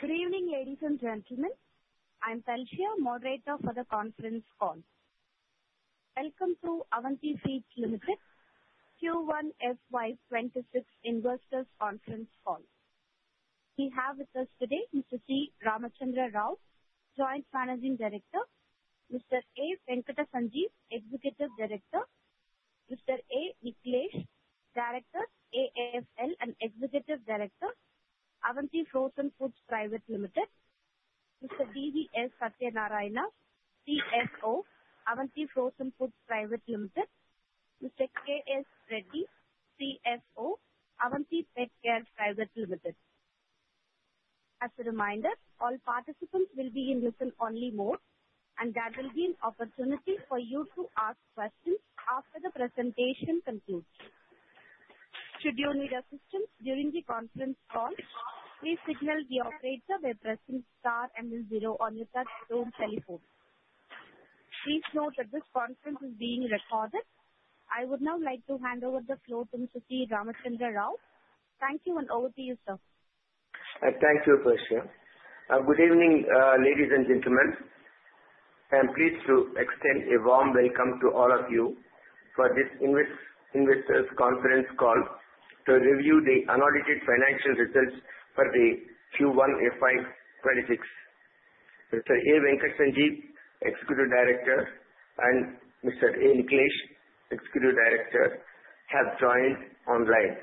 Good evening, ladies and gentlemen. I'm Pelsia, moderator for the conference call. Welcome to Avanti Feeds Limited Q1 FY26 Investors' Conference Call. We have with us today Mr. C. Ramachandra Rao, Joint Managing Director, Mr. A. Venkata Sanjeev, Executive Director, Mr. A. Nikhilesh, Director, AFL and Executive Director, Avanti Frozen Foods Private Limited, Mr. D. V. S. Satyanarayana, CFO, Avanti Frozen Foods Private Limited, Mr. K. Srinivas Reddy, CFO, Avanti Pet Care Private Limited. As a reminder, all participants will be in listen-only mode, and there will be an opportunity for you to ask questions after the presentation concludes. Should you need assistance during the conference call, please signal the operator by pressing star and then zero on your touch-tone telephone. Please note that this conference is being recorded. I would now like to hand over the floor to Mr. C. Ramachandra Rao. Thank you, and over to you, sir. Thank you, Pelsia. Good evening, ladies and gentlemen. I'm pleased to extend a warm welcome to all of you for this Investors' Conference Call to review the unaudited financial results for the Q1 FY26. Mr. A. Venkata Sanjeev, Executive Director, and Mr. A. Nikhilesh, Executive Director, have joined online.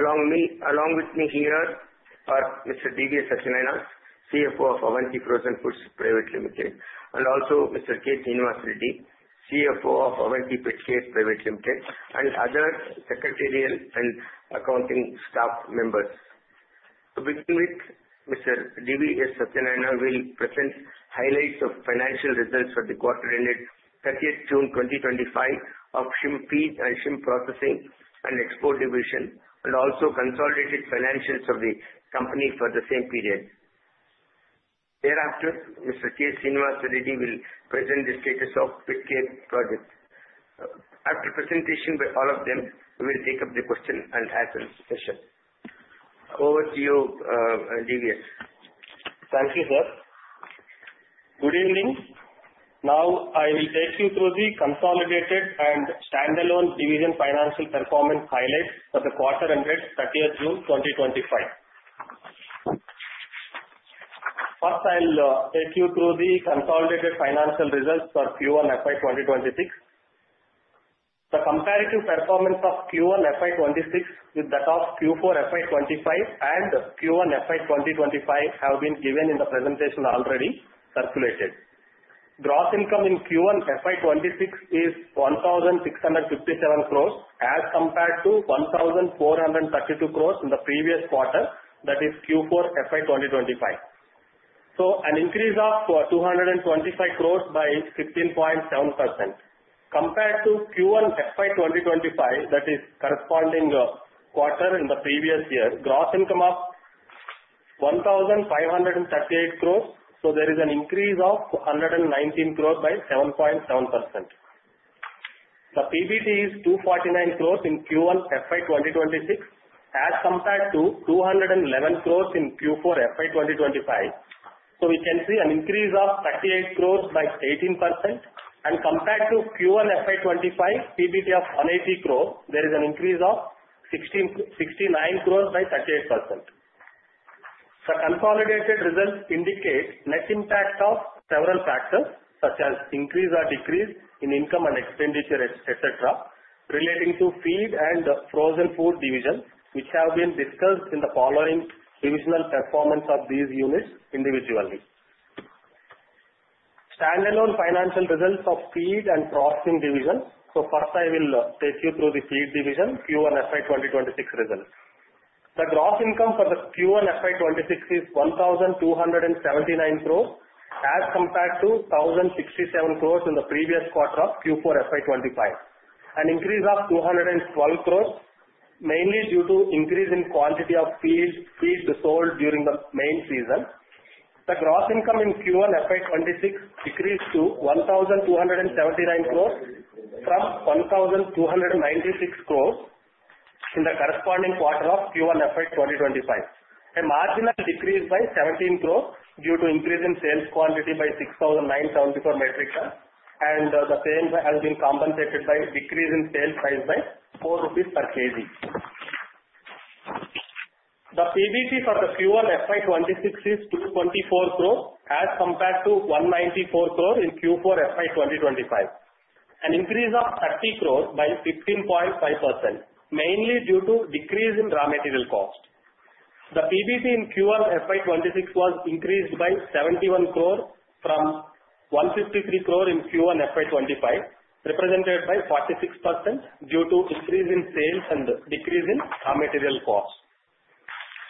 Along with me here are Mr. D. V. S. Satyanarayana, CFO of Avanti Frozen Foods Private Limited, and also Mr. K. Srinivas Reddy, CFO of Avanti Pet Care Private Limited, and other secretarial and accounting staff members. To begin with, Mr. D. V. S. Satyanarayana will present highlights of financial results for the quarter ended 30th June 2025, of Shrimp Feeds and Shrimp Processing and Export Division, and also consolidated financials of the company for the same period. Thereafter, Mr. K. Srinivas Reddy will present the status of the Pet care project. After presentation by all of them, we will take up the question-and-answer session. Over to you, D. V. S. Thank you, sir. Good evening. Now, I will take you through the consolidated and stand-alone division financial performance highlights for the quarter-ended 30th June 2025. First, I'll take you through the consolidated financial results for Q1 FY26. The comparative performance of Q1 FY26 with that of Q4 FY25 and Q1 FY2025 have been given in the presentation already circulated. Gross income in Q1 FY26 is 1,657 crore, as compared to 1,432 crore in the previous quarter, that is Q4 FY2025. So, an increase of 225 crore by 15.7%. Compared to Q1 FY2025, that is corresponding quarter in the previous year, gross income of 1,538 crore, so there is an increase of 119 crore by 7.7%. The PBT is 249 crore in Q1 FY2026, as compared to 211 crore in Q4 FY2025. We can see an increase of 38 crore by 18%, and compared to Q1 FY25, PBT of 180 crore, there is an increase of 69 crore by 38%. The consolidated results indicate net impact of several factors, such as increase or decrease in income and expenditure, etc., relating to Feed and Frozen Food Division, which have been discussed in the following divisional performance of these units individually. Stand-alone financial results of Feed and Processing Division. First, I will take you through the Feed Division Q1 FY2026 results. The gross income for the Q1 FY26 is 1,279 crore, as compared to 1,067 crore in the previous quarter of Q4 FY25, an increase of 212 crore, mainly due to increase in quantity of feed sold during the main season. The gross income in Q1 FY26 decreased to 1,279 crore from 1,296 crore in the corresponding quarter of Q1 FY2025. A marginal decrease by 17 crore due to increase in sales quantity by 6,974 metric tons, and the same has been compensated by decrease in sales price by 4 rupees per kg. The PBT for the Q1 FY26 is 224 crore, as compared to 194 crore in Q4 FY2025, an increase of 30 crore by 15.5%, mainly due to decrease in raw material cost. The PBT in Q1 FY26 was increased by 71 crore from 153 crore in Q1 FY25, represented by 46% due to increase in sales and decrease in raw material cost.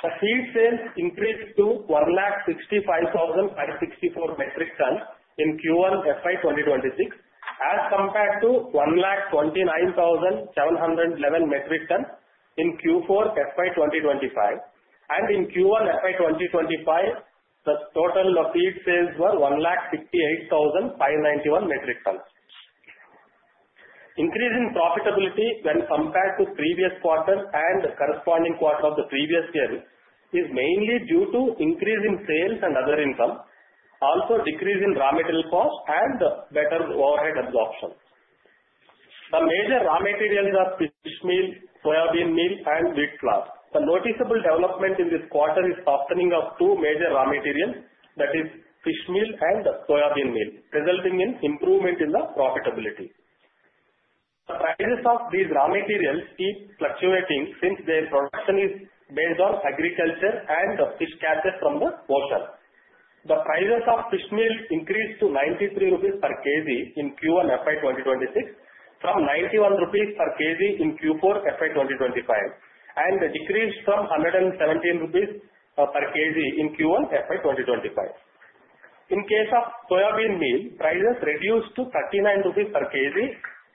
The feed sales increased to 165,564 metric tons in Q1 FY2026, as compared to 129,711 metric tons in Q4 FY2025. And in Q1 FY2025, the total feed sales were 168,591 metric tons. Increase in profitability when compared to previous quarter and corresponding quarter of the previous year is mainly due to increase in sales and other income, also decrease in raw material cost and better overhead absorption. The major raw materials are fish meal, soybean meal, and wheat flour. The noticeable development in this quarter is softening of two major raw materials, that is fish meal and soybean meal, resulting in improvement in the profitability. The prices of these raw materials keep fluctuating since their production is based on agriculture and fish catches from the ocean. The prices of fish meal increased to 93 rupees per kg in Q1 FY2026, from 91 rupees per kg in Q4 FY2025, and decreased from 117 rupees per kg in Q1 FY2025. In case of soybean meal, prices reduced to 39 rupees per kg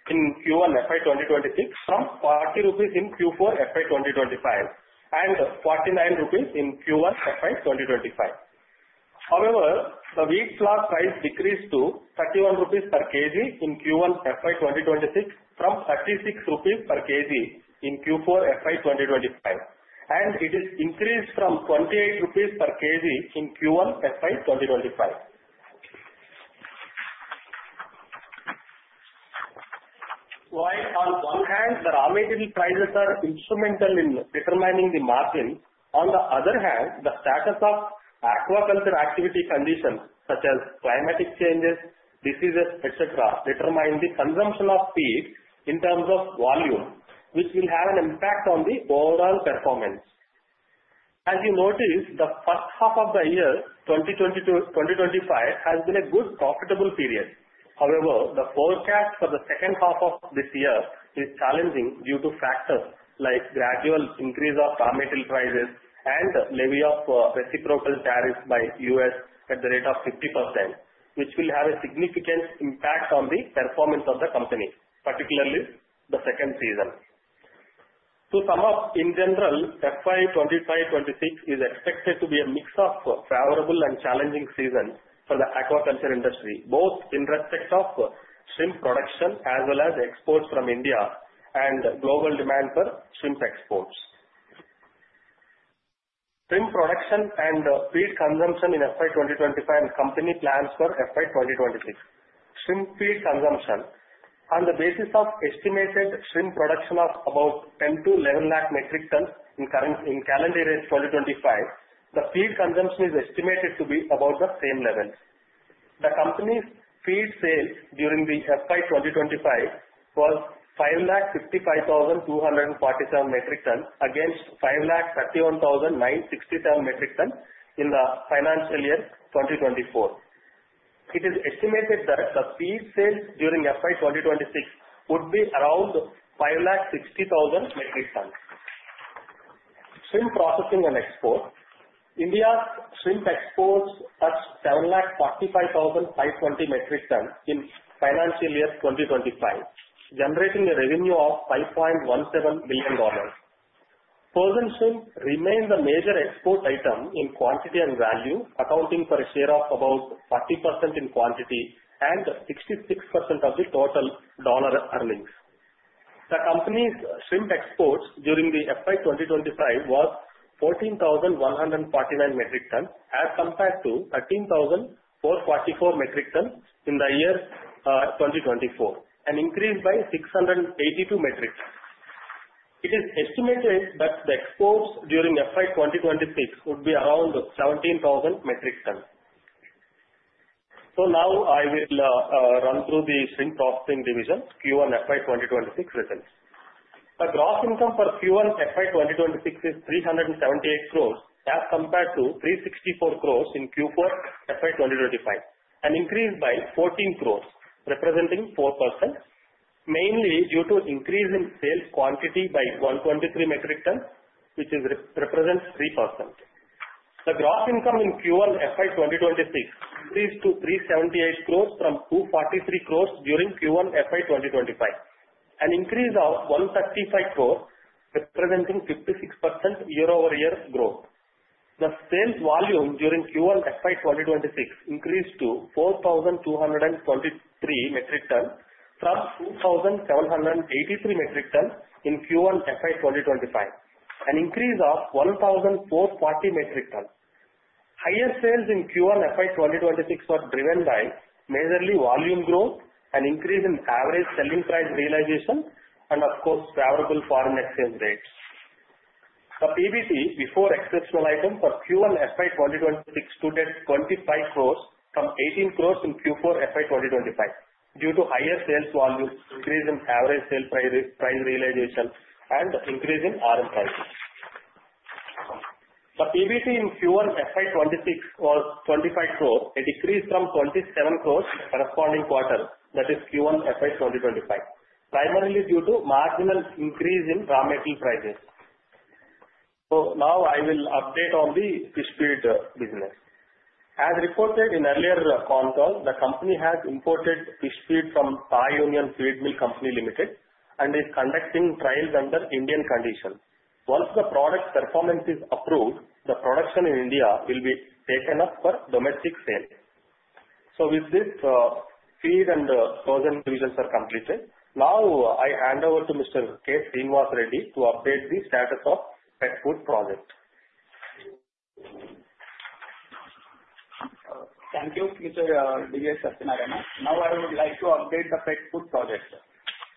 in Q1 FY2026, from 40 rupees in Q4 FY2025 and INR 49 in Q1 FY2025. However, the wheat flour price decreased to 31 rupees per kg in Q1 FY2026, from 36 rupees per kg in Q4 FY2025, and it is increased from 28 rupees per kg in Q1 FY2025. While on one hand, the raw material prices are instrumental in determining the margin, on the other hand, the status of aquaculture activity conditions, such as climatic changes, diseases, etc., determine the consumption of feed in terms of volume, which will have an impact on the overall performance. As you notice, the first half of the year 2025 has been a good profitable period. However, the forecast for the second half of this year is challenging due to factors like gradual increase of raw material prices and levy of reciprocal tariffs by the U.S. at the rate of 50%, which will have a significant impact on the performance of the company, particularly the second season. To sum up, in general, FY25-26 is expected to be a mix of favorable and challenging season for the aquaculture industry, both in respect of shrimp production as well as exports from India and global demand for shrimp exports. Shrimp production and feed consumption in FY2025 and company plans for FY2026. Shrimp feed consumption, on the basis of estimated shrimp production of about 10 lakh-11 lakh metric tons in calendar year 2025, the feed consumption is estimated to be about the same level. The company's feed sales during the FY2025 was 555,247 metric tons against 531,967 metric tons in the financial year 2024. It is estimated that the feed sales during FY2026 would be around 560,000 metric tons. Shrimp processing and export, India's shrimp exports touched 745,520 metric tons in financial year 2025, generating a revenue of $5.17 billion. Frozen shrimp remains a major export item in quantity and value, accounting for a share of about 40% in quantity and 66% of the total dollar earnings. The company's shrimp exports during the FY2025 was 14,149 metric tons, as compared to 13,444 metric tons in the year 2024, an increase by 682 metric tons. It is estimated that the exports during FY2026 would be around 17,000 metric tons. So now, I will run through the Shrimp Processing Division Q1 FY2026 results. The gross income for Q1 FY2026 is 378 crore, as compared to 364 crore in Q4 FY2025, an increase by 14 crore, representing 4%, mainly due to increase in sales quantity by 123 metric tons, which represents 3%. The gross income in Q1 FY2026 increased to 378 crore from 243 crore during Q1 FY2025, an increase of 135 crore, representing 56% year-over-year growth. The sales volume during Q1 FY2026 increased to 4,223 metric tons from 2,783 metric tons in Q1 FY2025, an increase of 1,440 metric tons. Higher sales in Q1 FY2026 were driven by majorly volume growth and increase in average selling price realization, and of course, favorable foreign exchange rates. The PBT before exceptional item for Q1 FY2026 stood at 25 crore from 18 crore in Q4 FY2025, due to higher sales volume, increase in average sale price realization, and increase in RM prices. The PBT in Q1 FY26 was 25 crore, a decrease from 27 crore corresponding quarter, that is Q1 FY2025, primarily due to marginal increase in raw material prices. So now, I will update on the fish feed business. As reported in earlier phone call, the company has imported fish feed from Thai Union Feed Mill Company Limited and is conducting trials under Indian conditions. Once the product performance is approved, the production in India will be taken up for domestic sales. So with this, feed and frozen divisions are completed. Now, I hand over to Mr. K. Srinivas Reddy to update the status of Pet Food Project. Thank you, Mr. D. V. S. Satyanarayana. Now, I would like to update the Pet Food Project.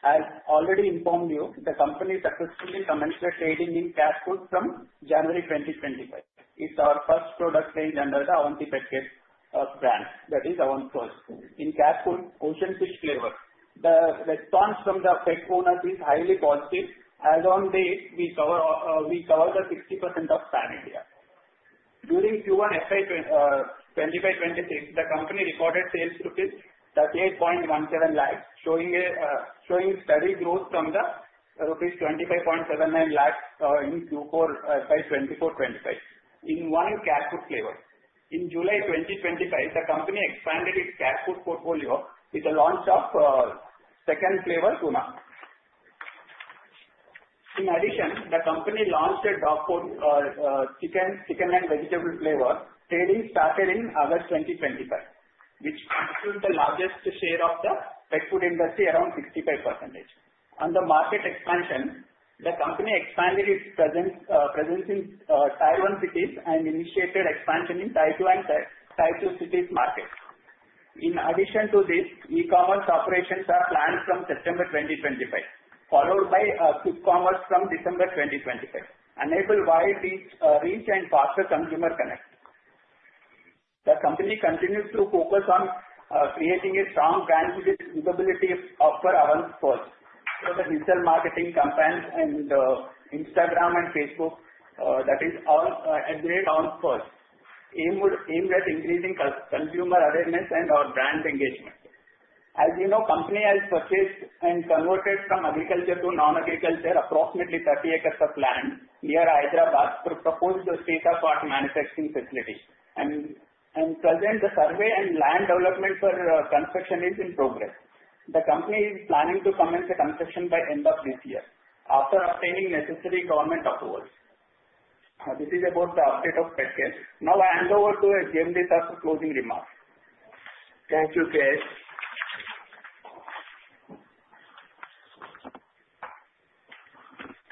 As already informed you, the company successfully commenced trading in cat food from January 2025. It's our first product range under the Avanti Pet care brand, that is Avanti Frozen in cat food, ocean fish flavor. The response from the pet owners is highly positive, as on day we cover the 60% of Pan-India. During Q1 FY25-26, the company recorded sales rupees 38.17 lakhs, showing steady growth from the rupees 25.79 lakhs in Q4 FY24-25 in one cat food flavor. In July 2025, the company expanded its cat food portfolio with the launch of second flavor, Tuna. In addition, the company launched a dog food, chicken, and vegetable flavor. Trading started in August 2025, which constitutes the largest share of the pet food industry, around 65%. On the market expansion, the company expanded its presence in Tier one cities and initiated expansion in Tier two city market. In addition to this, e-commerce operations are planned from September 2025, followed by quick commerce from December 2025, enabled by this reach and faster consumer connect. The company continues to focus on creating a strong brand visibility for Avant Furst. For the digital marketing campaigns and Instagram and Facebook, that is Avant Furst, aimed at increasing consumer awareness and our brand engagement. As you know, the company has purchased and converted from agriculture to non-agriculture, approximately 30 acres of land near Hyderabad to propose the state-of-the-art manufacturing facility. At present, the survey and land development for construction is in progress. The company is planning to commence the construction by end of this year after obtaining necessary government approvals. This is about the update of Pet care. Now, I hand over to JMD Sir for closing remarks. Thank you, K.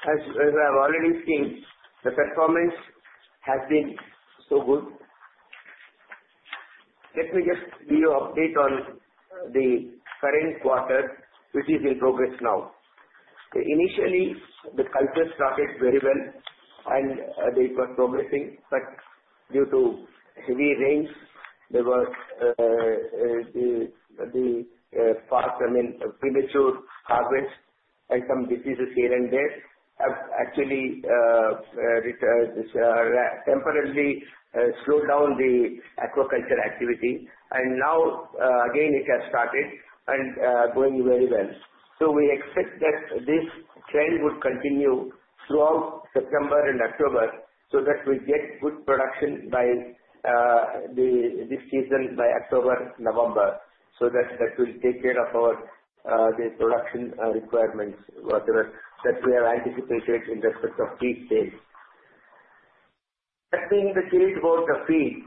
As you have already seen, the performance has been so good. Let me just give you an update on the current quarter, which is in progress now. Initially, the culture started very well, and it was progressing, but due to heavy rains, there was the fast, I mean, premature harvest and some diseases here and there. Actually, this temporarily slowed down the aquaculture activity, and now, again, it has started and going very well, so we expect that this trend would continue throughout September and October so that we get good production by this season, by October, November, so that we'll take care of the production requirements, whatever that we have anticipated in respect of feed sales. That being the case about the feed,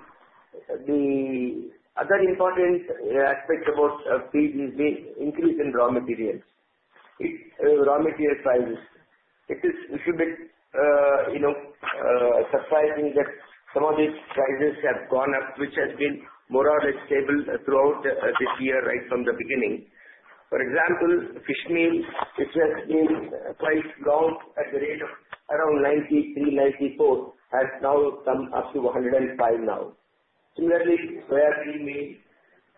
the other important aspect about feed is the increase in raw materials, raw material prices. It is a little bit surprising that some of these prices have gone up, which has been more or less stable throughout this year, right from the beginning. For example, fish meal, which has been quite low at the rate of around 93-94, has now come up to 105 now. Similarly, soybean meal,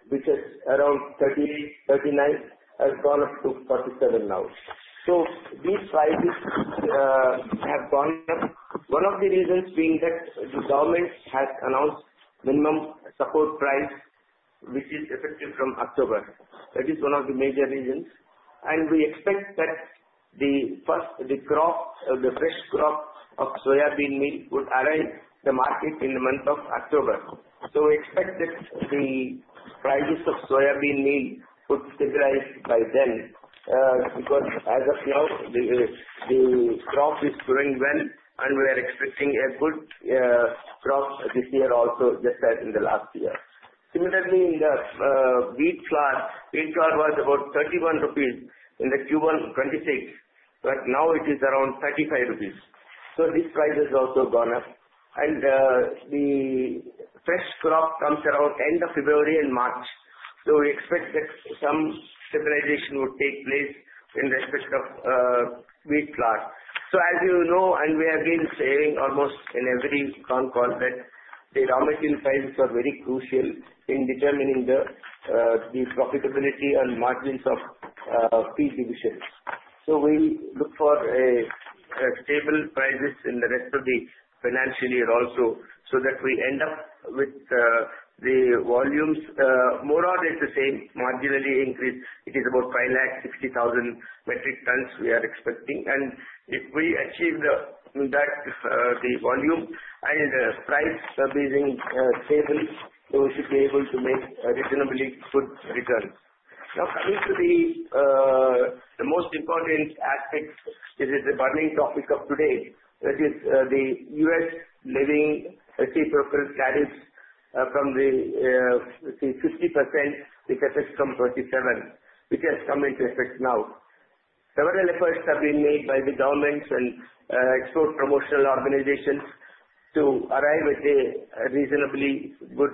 which is around 38-39, has gone up to 47 now. So these prices have gone up. One of the reasons being that the government has announced minimum support price, which is effective from October. That is one of the major reasons, and we expect that the fresh crop of soybean meal would arrive at the market in the month of October. We expect that the prices of soybean meal would stabilize by then because, as of now, the crop is growing well, and we are expecting a good crop this year also, just as in the last year. Similarly, in the wheat flour, wheat flour was about 31 rupees in Q1 2026, but now it is around 35 rupees. This price has also gone up. The fresh crop comes around the end of February and March. We expect that some stabilization would take place in respect of wheat flour. As you know, we have been saying almost in every phone call that the raw material prices are very crucial in determining the profitability and margins of feed divisions. We look for stable prices in the rest of the financial year also so that we end up with the volumes more or less the same, marginally increased. It is about 560,000 metric tons we are expecting. If we achieve that, the volume and price being stable, we should be able to make reasonably good returns. Now, coming to the most important aspect, which is the burning topic of today, that is the U.S. levying reciprocal tariffs of 50%, which affects from 2027, which has come into effect now. Several efforts have been made by the governments and export promotional organizations to arrive at a reasonably good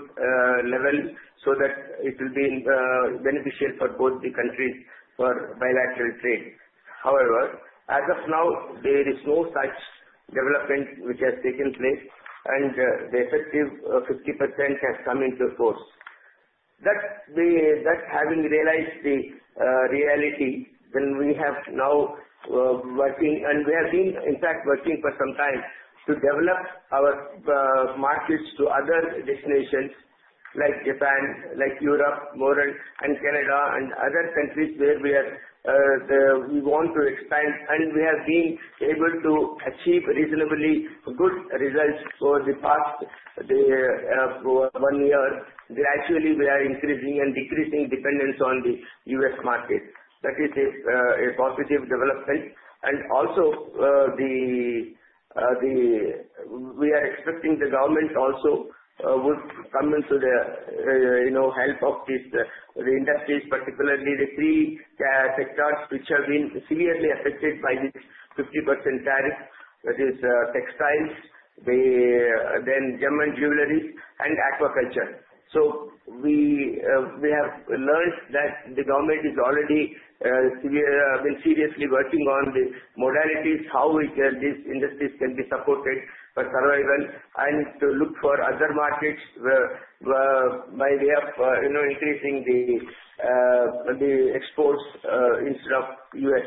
level so that it will be beneficial for both the countries for bilateral trade. However, as of now, there is no such development which has taken place, and the effective 50% has come into force. That having realized the reality, then we have now working, and we have been, in fact, working for some time to develop our markets to other destinations like Japan, like Europe, Korea and Canada, and other countries where we want to expand. And we have been able to achieve reasonably good results for the past one year. Gradually, we are increasing and decreasing dependence on the U.S. market. That is a positive development. And also, we are expecting the government also would come into the help of these industries, particularly the three sectors which have been severely affected by this 50% tariff, that is textiles, then gems and jewelry, and aquaculture. So we have learned that the government is already been seriously working on the modalities, how these industries can be supported for survival. I need to look for other markets by way of increasing the exports instead of U.S.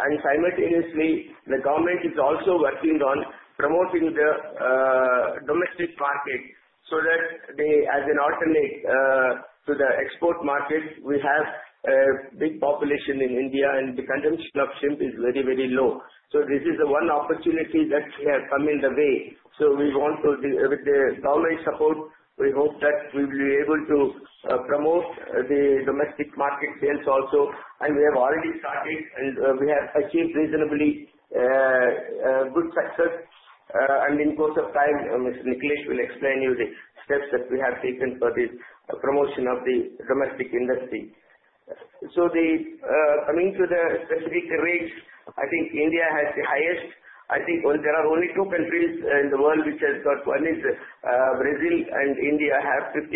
And simultaneously, the government is also working on promoting the domestic market so that as an alternate to the export market, we have a big population in India, and the consumption of shrimp is very, very low. So this is one opportunity that we have come in the way. So we want to, with the government support, we hope that we will be able to promote the domestic market sales also. And we have already started, and we have achieved reasonably good success. And in the course of time, Mr. Nikhilesh will explain you the steps that we have taken for the promotion of the domestic industry. So coming to the specific rates, I think India has the highest. I think there are only two countries in the world which have got one: Brazil and India have 50%,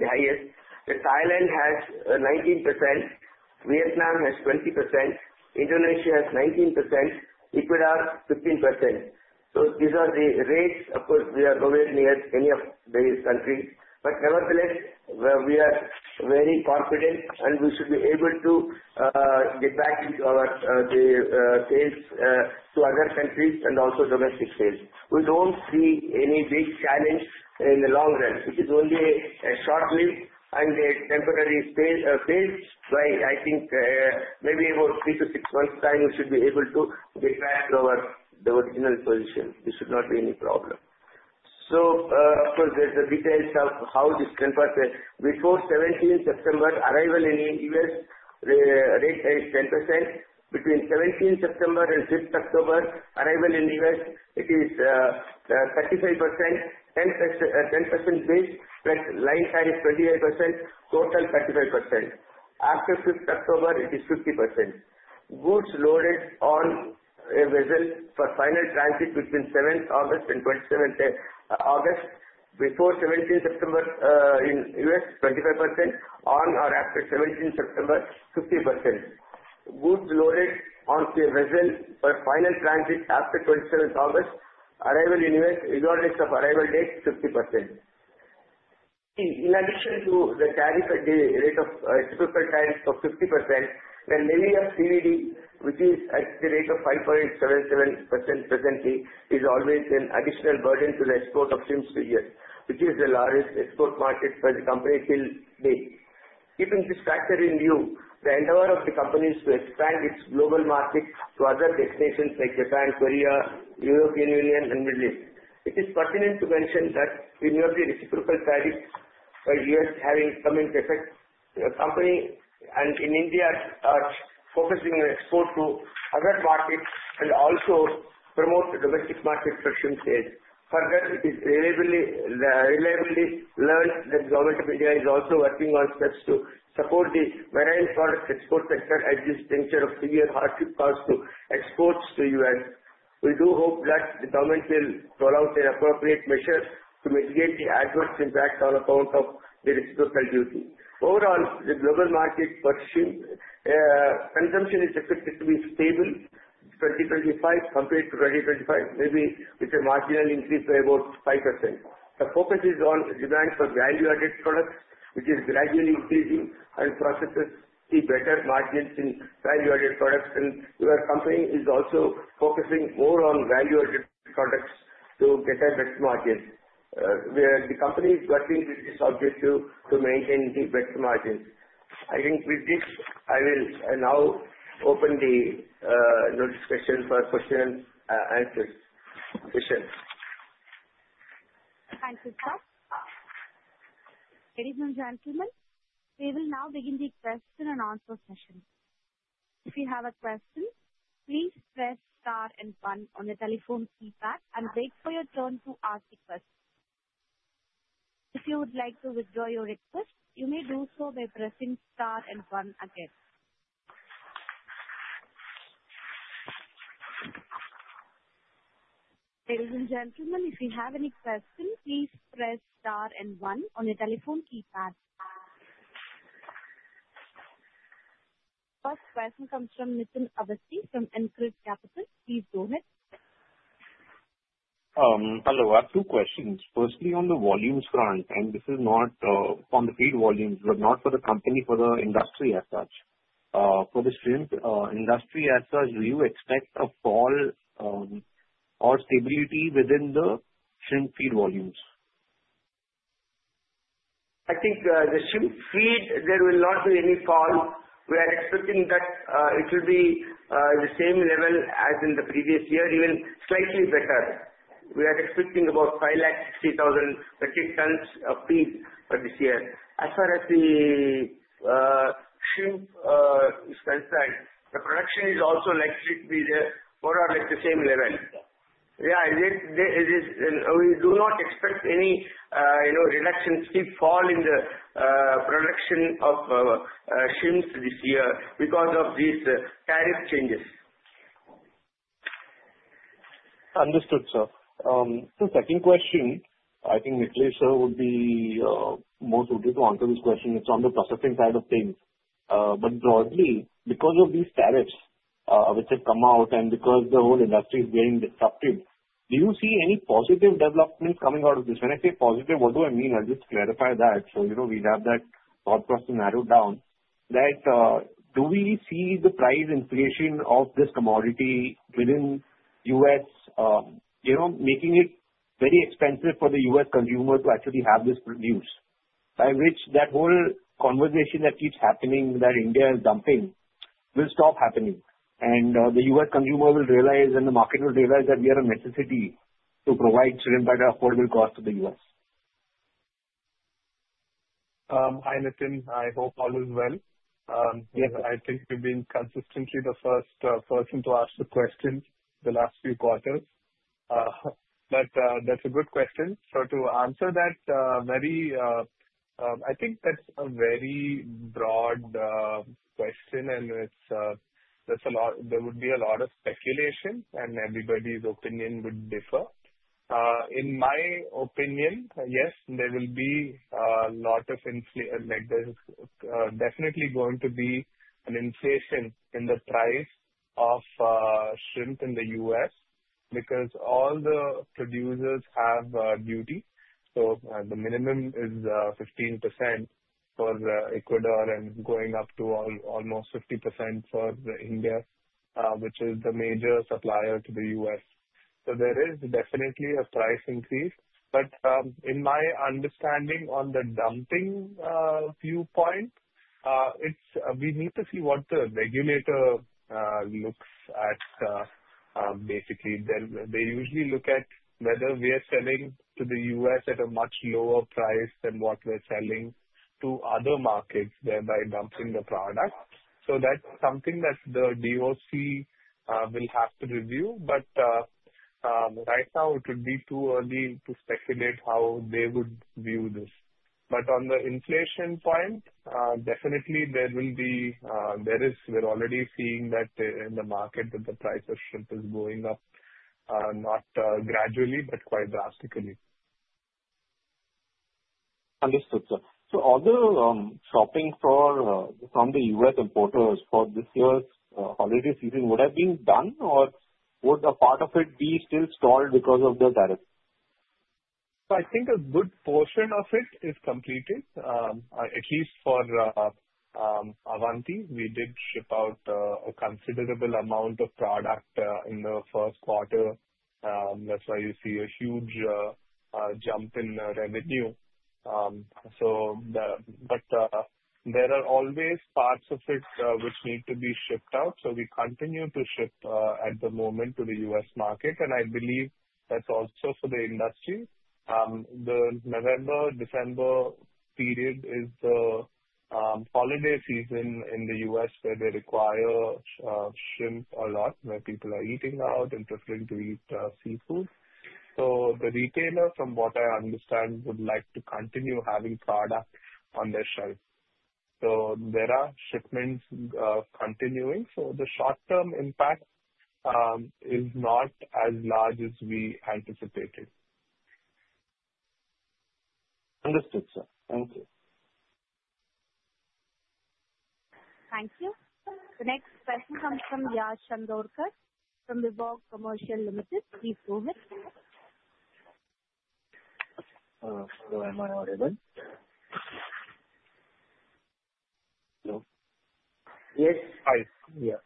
the highest. Thailand has 19%, Vietnam has 20%, Indonesia has 19%, Ecuador 15%. So these are the rates. Of course, we are nowhere near any of these countries. But nevertheless, we are very confident, and we should be able to get back into our sales to other countries and also domestic sales. We don't see any big challenge in the long run. It is only a short-lived and a temporary phase, but I think maybe about three to six months' time, we should be able to get back to our original position. There should not be any problem. So of course, there's the details of how this can process. Before 17 September, arrival in the U.S. rate is 10%. Between 17th September and 5th October, arrival in the U.S., it is 35%, 10% base, but line time is 25%, total 35%. After 5 October, it is 50%. Goods loaded on a vessel for final transit between 7th August and 27th August. Before 17th September in U.S., 25%. On or after 17th September, 50%. Goods loaded onto a vessel for final transit after 27th August, arrival in U.S., regardless of arrival date, 50%. In addition to the tariff at the rate of typical times of 50%, the levy of CVD, which is at the rate of 5.77% presently, is always an additional burden to the export of shrimp to the U.S., which is the largest export market for the company till date. Keeping this factor in view, the endeavor of the company is to expand its global market to other destinations like Japan, Korea, the European Union, and the Middle East. It is pertinent to mention that we know the reciprocal tariffs for the U.S. having come into effect. The company in India is focusing on export to other markets and also promote the domestic market for shrimp sales. Further, it is reliably learned that the government of India is also working on steps to support the marine product export sector as this nature of severe hardship causes exports to the U.S. We do hope that the government will roll out an appropriate measure to mitigate the adverse impact on account of the reciprocal duty. Overall, the global market for shrimp consumption is expected to be stable in 2025 compared to 2025, maybe with a marginal increase by about 5%. The focus is on demand for value-added products, which is gradually increasing and processors see better margins in value-added products, and our company is also focusing more on value-added products to get a better margin. The company is working with this objective to maintain the better margins. I think with this, I will now open the discussion for questions and answers session. Thank you, sir. Ladies and gentlemen, we will now begin the question and answer session. If you have a question, please press star and one on the telephone keypad and wait for your turn to ask a question. If you would like to withdraw your request, you may do so by pressing star and one again. Ladies and gentlemen, if you have any questions, please press star and one on the telephone keypad. First question comes from Nitin Awasthi from InCred Capital. Please go ahead. Hello. I have two questions. Firstly, on the volumes front, and this is not on the feed volumes, but not for the company, for the industry as such. For the shrimp industry as such, do you expect a fall or stability within the shrimp feed volumes? I think the shrimp feed, there will not be any fall. We are expecting that it will be the same level as in the previous year, even slightly better. We are expecting about 560,000 metric tons of feed for this year. As far as the shrimp is concerned, the production is also likely to be more or less the same level. Yeah, we do not expect any reduction, steep fall in the production of shrimp this year because of these tariff changes. Understood, sir. The second question, I think Nikhilesh would be most suited to answer this question. It's on the processing side of things. But broadly, because of these tariffs which have come out and because the whole industry is getting disrupted, do you see any positive developments coming out of this? When I say positive, what do I mean? I'll just clarify that so we have that thought process narrowed down. Do we see the price inflation of this commodity within the U.S. making it very expensive for the U.S. consumer to actually have this produced? By which that whole conversation that keeps happening that India is dumping will stop happening, and the U.S. consumer will realize, and the market will realize that we are a necessity to provide shrimp at an affordable cost to the U.S. Hi, Nitin. I hope all is well. I think you've been consistently the first person to ask the question the last few quarters. But that's a good question. So to answer that, I think that's a very broad question, and there would be a lot of speculation, and everybody's opinion would differ. In my opinion, yes, there will be a lot of inflation. There's definitely going to be an inflation in the price of shrimp in the U.S. because all the producers have duty. So the minimum is 15% for Ecuador and going up to almost 50% for India, which is the major supplier to the U.S. So there is definitely a price increase. But in my understanding on the dumping viewpoint, we need to see what the regulator looks at. Basically, they usually look at whether we are selling to the U.S. at a much lower price than what we're selling to other markets, thereby dumping the product. So that's something that the DOC will have to review. But right now, it would be too early to speculate how they would view this. But on the inflation point, definitely there is, we're already seeing that in the market that the price of shrimp is going up, not gradually, but quite drastically. Understood, sir. So all the shopping from the U.S. importers for this year's holiday season would have been done, or would a part of it be still stalled because of the tariff? So I think a good portion of it is completed, at least for Avanti. We did ship out a considerable amount of product in the first quarter. That's why you see a huge jump in revenue. But there are always parts of it which need to be shipped out. So we continue to ship at the moment to the U.S. market, and I believe that's also for the industry. The November-December period is the holiday season in the U.S. where they require shrimp a lot, where people are eating out and preferring to eat seafood. So the retailer, from what I understand, would like to continue having product on their shelf. So there are shipments continuing. So the short-term impact is not as large as we anticipated. Understood, sir. Thank you. Thank you. The next question comes from Yash Chandorkar from Vivog Commercial Limited. Please go ahead. Am I audible? Yes. Yes.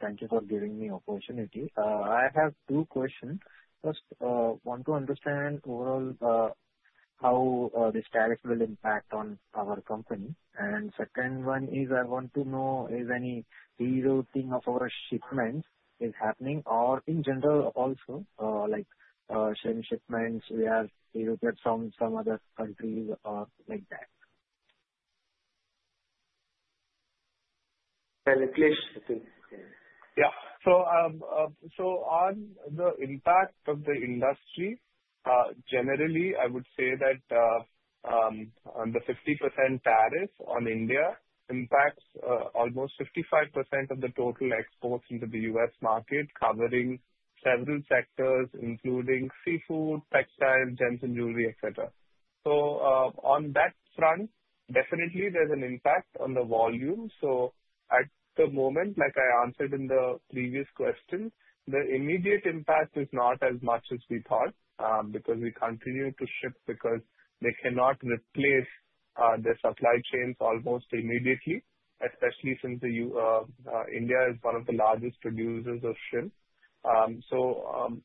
Thank you for giving me the opportunity. I have two questions. First, I want to understand overall how this tariff will impact on our company, and second one is I want to know if any rerouting of our shipments is happening or in general also, like shrimp shipments we are rerouted from some other countries or like that. Yeah. So on the impact of the industry, generally, I would say that the 50% tariff on India impacts almost 55% of the total exports into the U.S. market, covering several sectors, including seafood, textiles, gems, and jewelry, etc. So on that front, definitely there's an impact on the volume. So at the moment, like I answered in the previous question, the immediate impact is not as much as we thought because we continue to ship because they cannot replace the supply chains almost immediately, especially since India is one of the largest producers of shrimp. So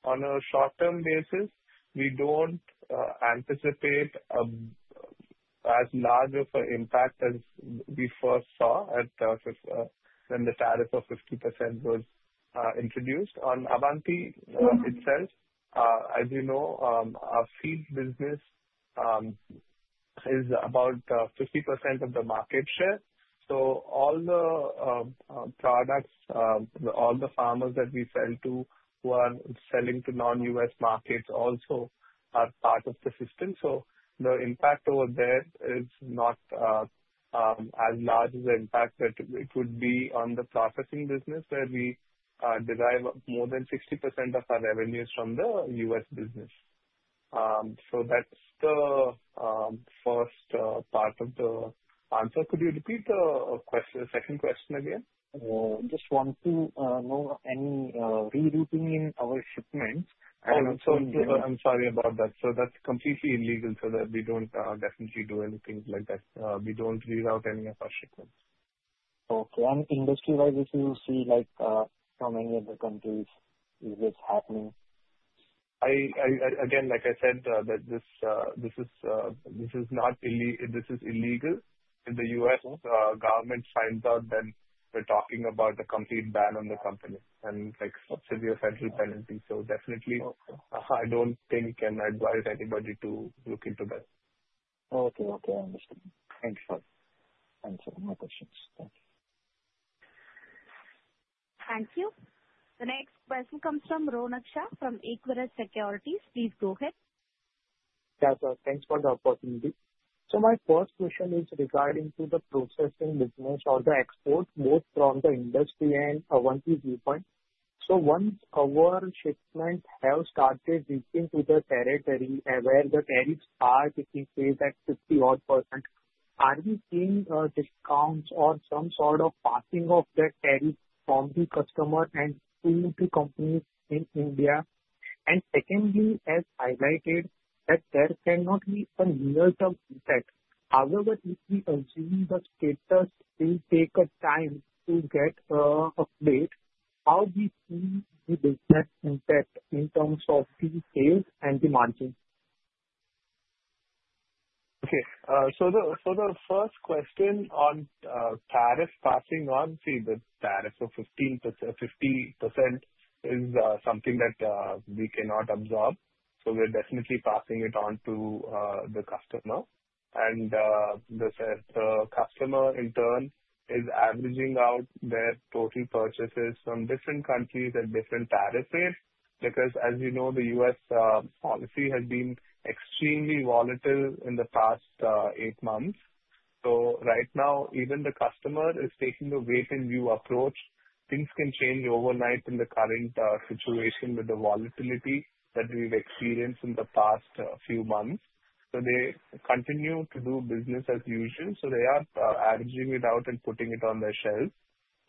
on a short-term basis, we don't anticipate as large of an impact as we first saw when the tariff of 50% was introduced. On Avanti itself, as you know, our feed business is about 50% of the market share. So all the products, all the farmers that we sell to, who are selling to non-US markets also are part of the system. So the impact over there is not as large as the impact that it would be on the processing business, where we derive more than 60% of our revenues from the U.S. business. So that's the first part of the answer. Could you repeat the second question again? I just want to know any rerouting in our shipments. And also, I'm sorry about that. So that's completely illegal so that we don't definitely do anything like that. We don't reroute any of our shipments. Okay. And industry-wise, if you see how many other countries is this happening? Again, like I said, this is not illegal. If the U.S. government finds out, then we're talking about a complete ban on the company and severe federal penalties. So definitely, I don't think and advise anybody to look into that. Okay. Okay. I understand. Thank you. Thanks for my questions. Thank you. Thank you. The next question comes from Ronak Shah from Equirus Securities. Please go ahead. Yes, sir. Thanks for the opportunity. So my first question is regarding the processing business or the export, both from the industry and Avanti's viewpoint. So once our shipments have started reaching to the territory where the tariffs are, which we say that 50-odd%, are we seeing discounts or some sort of passing of the tariff from the customer and to the companies in India? And secondly, as highlighted, that there can not be a near-term impact. However, if we assume the status will take time to get a date, how do we see the business impact in terms of the sales and the margin? Okay. So the first question on tariff passing on, see, the tariff of 50% is something that we cannot absorb, so we're definitely passing it on to the customer. And the customer, in turn, is averaging out their total purchases from different countries at different tariff rates because, as you know, the U.S. policy has been extremely volatile in the past eight months, so right now, even the customer is taking a wait-and-see approach. Things can change overnight in the current situation with the volatility that we've experienced in the past few months, so they continue to do business as usual. So they are averaging it out and putting it on their shelf,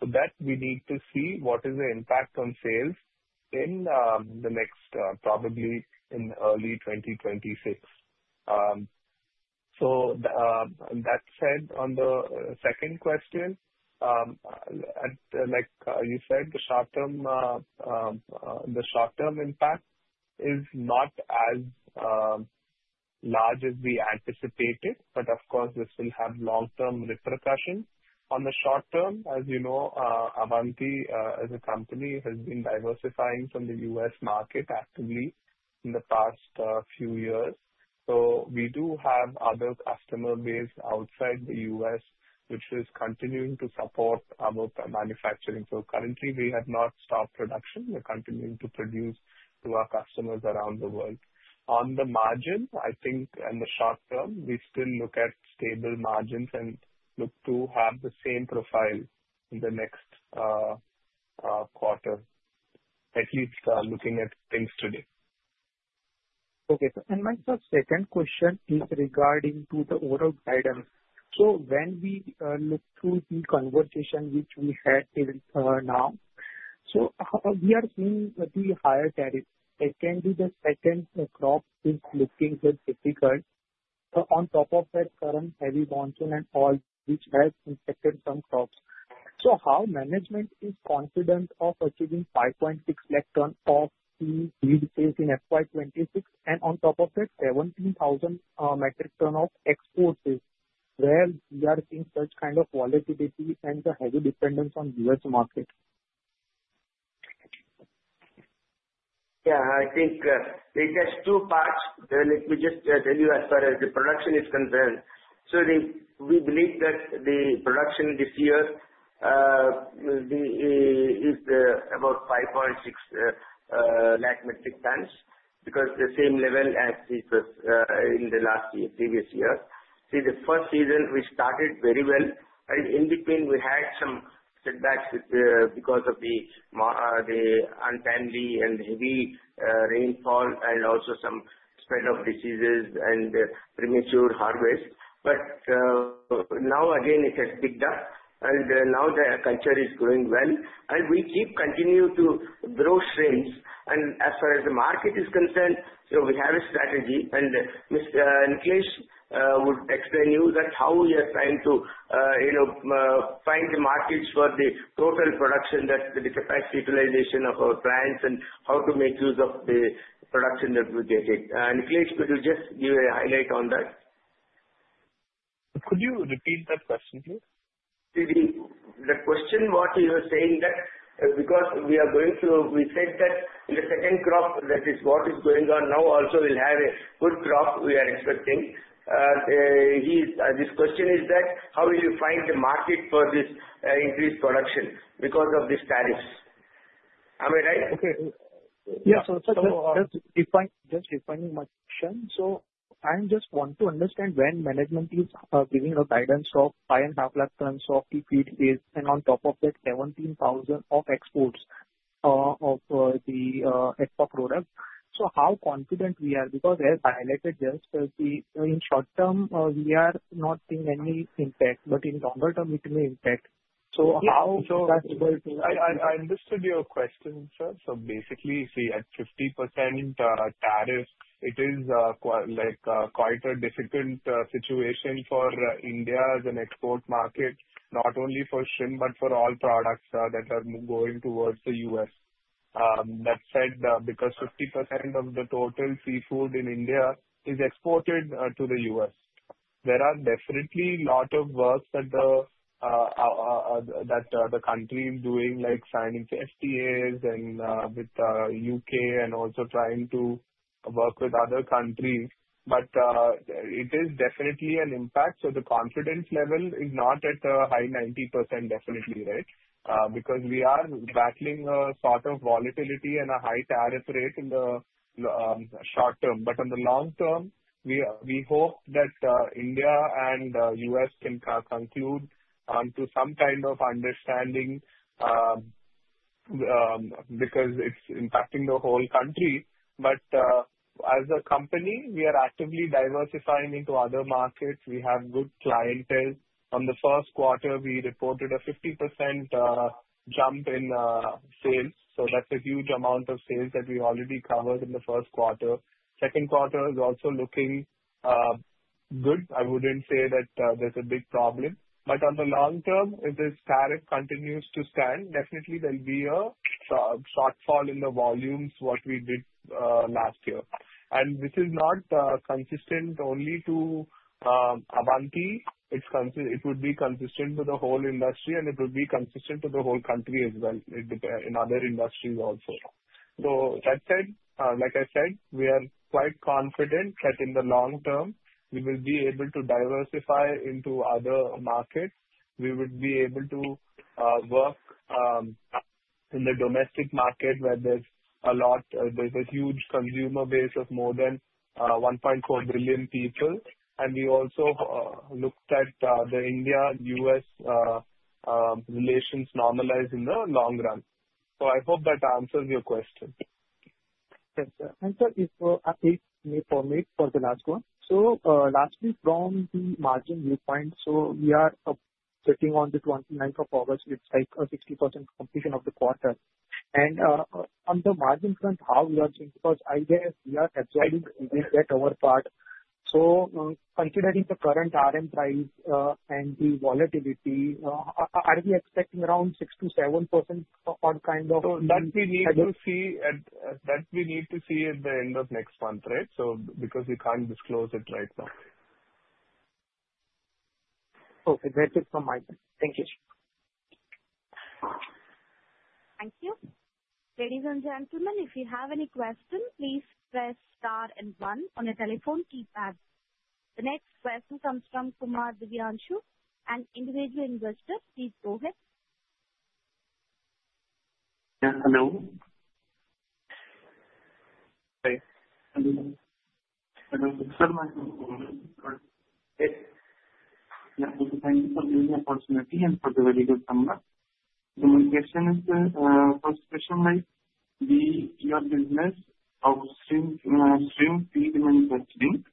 so that we need to see what is the impact on sales in the next, probably in early 2026. So that said, on the second question, like you said, the short-term impact is not as large as we anticipated, but of course, this will have long-term repercussions. On the short term, as you know, Avanti, as a company, has been diversifying from the U.S. market actively in the past few years. So we do have other customer base outside the U.S., which is continuing to support our manufacturing. So currently, we have not stopped production. We're continuing to produce to our customers around the world. On the margin, I think in the short term, we still look at stable margins and look to have the same profile in the next quarter, at least looking at things today. Okay. And my second question is regarding the overall guidance. So when we look through the conversation which we had till now, so we are seeing the higher tariffs. Secondly, the second crop is looking difficult on top of that current heavy monsoon and all, which has infected some crops. So how management is confident of achieving 5.6 lakh tons of seed sales in FY 2026 and on top of that, 17,000 metric tons of exports? Where we are seeing such kind of volatility and the heavy dependence on the U.S. market? Yeah. I think it has two parts. Let me just tell you as far as the production is concerned. So we believe that the production this year is about 5.6 lakh metric tons because the same level as it was in the previous year. See, the first season, we started very well. And in between, we had some setbacks because of the untimely and heavy rainfall and also some spread of diseases and premature harvest. But now, again, it has picked up. And now the culture is growing well. And we keep continuing to grow shrimp. And as far as the market is concerned, we have a strategy. And Nikhilesh would explain to you that how we are trying to find the markets for the total production, the capacity utilization of our plants, and how to make use of the production that we get. Nikhilesh, could you just give a highlight on that? Could you repeat that question, please? The question, what you're saying that because we said that the second crop, that is what is going on now, also will have a good crop we are expecting. This question is that how will you find the market for this increased production because of these tariffs? Am I right? Okay. Yeah. So just refining my question. So I just want to understand when management is giving a guidance of 5.5 lakh tons of seed sales and on top of that, 17,000 of exports of the VAP products. So how confident we are? Because as I highlighted, just in short term, we are not seeing any impact, but in longer term, it may impact. So how is that going to? I understood your question, sir. So basically, see, at 50% tariff, it is quite a difficult situation for India as an export market, not only for shrimp, but for all products that are going towards the U.S. That said, because 50% of the total seafood in India is exported to the U.S., there are definitely a lot of works that the country is doing, like signing FTAs with the U.K. and also trying to work with other countries. It is definitely an impact. So the confidence level is not at a high 90%, definitely, right? Because we are battling a sort of volatility and a high tariff rate in the short term. But on the long term, we hope that India and the U.S. can conclude to some kind of understanding because it's impacting the whole country. But as a company, we are actively diversifying into other markets. We have good clientele. On the first quarter, we reported a 50% jump in sales. So that's a huge amount of sales that we already covered in the first quarter. Second quarter is also looking good. I wouldn't say that there's a big problem. But on the long term, if this tariff continues to stand, definitely there'll be a shortfall in the volumes, what we did last year. And this is not consistent only to Avanti. It would be consistent with the whole industry, and it would be consistent to the whole country as well, in other industries also. So that said, like I said, we are quite confident that in the long term, we will be able to diversify into other markets. We would be able to work in the domestic market where there's a huge consumer base of more than 1.4 billion people, and we also looked at the India-U.S. relations normalize in the long run. So I hope that answers your question. Yes, sir. And sir, if you may permit for the last one. So lastly, from the margin viewpoint, so we are sitting on the 29th of August, it's like a 60% completion of the quarter. And on the margin front, how you are doing? Because I guess we are absorbing we did get our part. So considering the current RM price and the volatility, are we expecting around 6%-7% on kind of— So that we need to see at the end of next month, right? So because we can't disclose it right now. Okay. That's it from my side. Thank you. Thank you. Ladies and gentlemen, if you have any questions, please press star and one on your telephone keypad. The next question comes from Kumar Divyanshu, an individual investor. Please go ahead. Yes. Hello. Hi. Thank you for giving me the opportunity and for the very good number. My question is, first question, your business of shrimp feed manufacturing.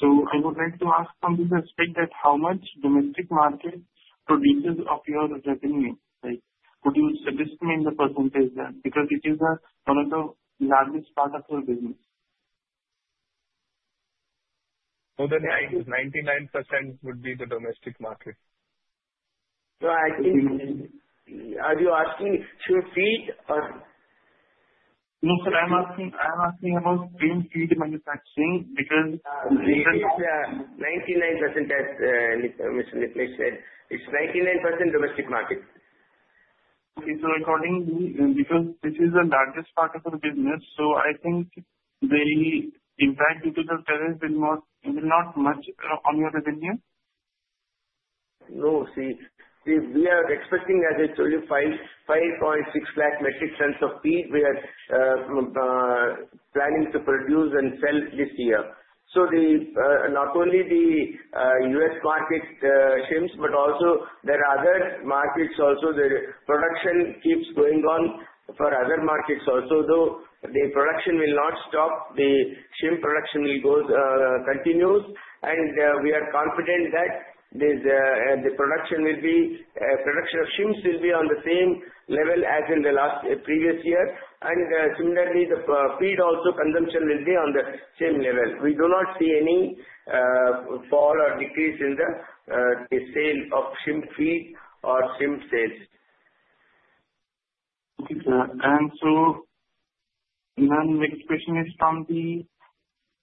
I would like to ask from this aspect that how much domestic market produces of your revenue? Could you suggest me in the percentage there? Because it is one of the largest parts of your business. The 99% would be the domestic market. So are you asking shrimp feed or? No, sir. I'm asking about shrimp feed manufacturing because. 99%, as Nikhilesh said. It's 99% domestic market. Okay. So accordingly, because this is the largest part of your business, so I think the impact due to the tariff will not much on your revenue? No. See, we are expecting, as I told you, 5.6 lakh metric tons of seed we are planning to produce and sell this year. So not only the U.S. market shrimp, but also there are other markets also. The production keeps going on for other markets also, though the production will not stop. The shrimp production continues. And we are confident that the production of shrimp will be on the same level as in the previous year. And similarly, the feed also consumption will be on the same level. We do not see any fall or decrease in the sale of shrimp feed or shrimp sales. Okay, sir, and so then the next question is from the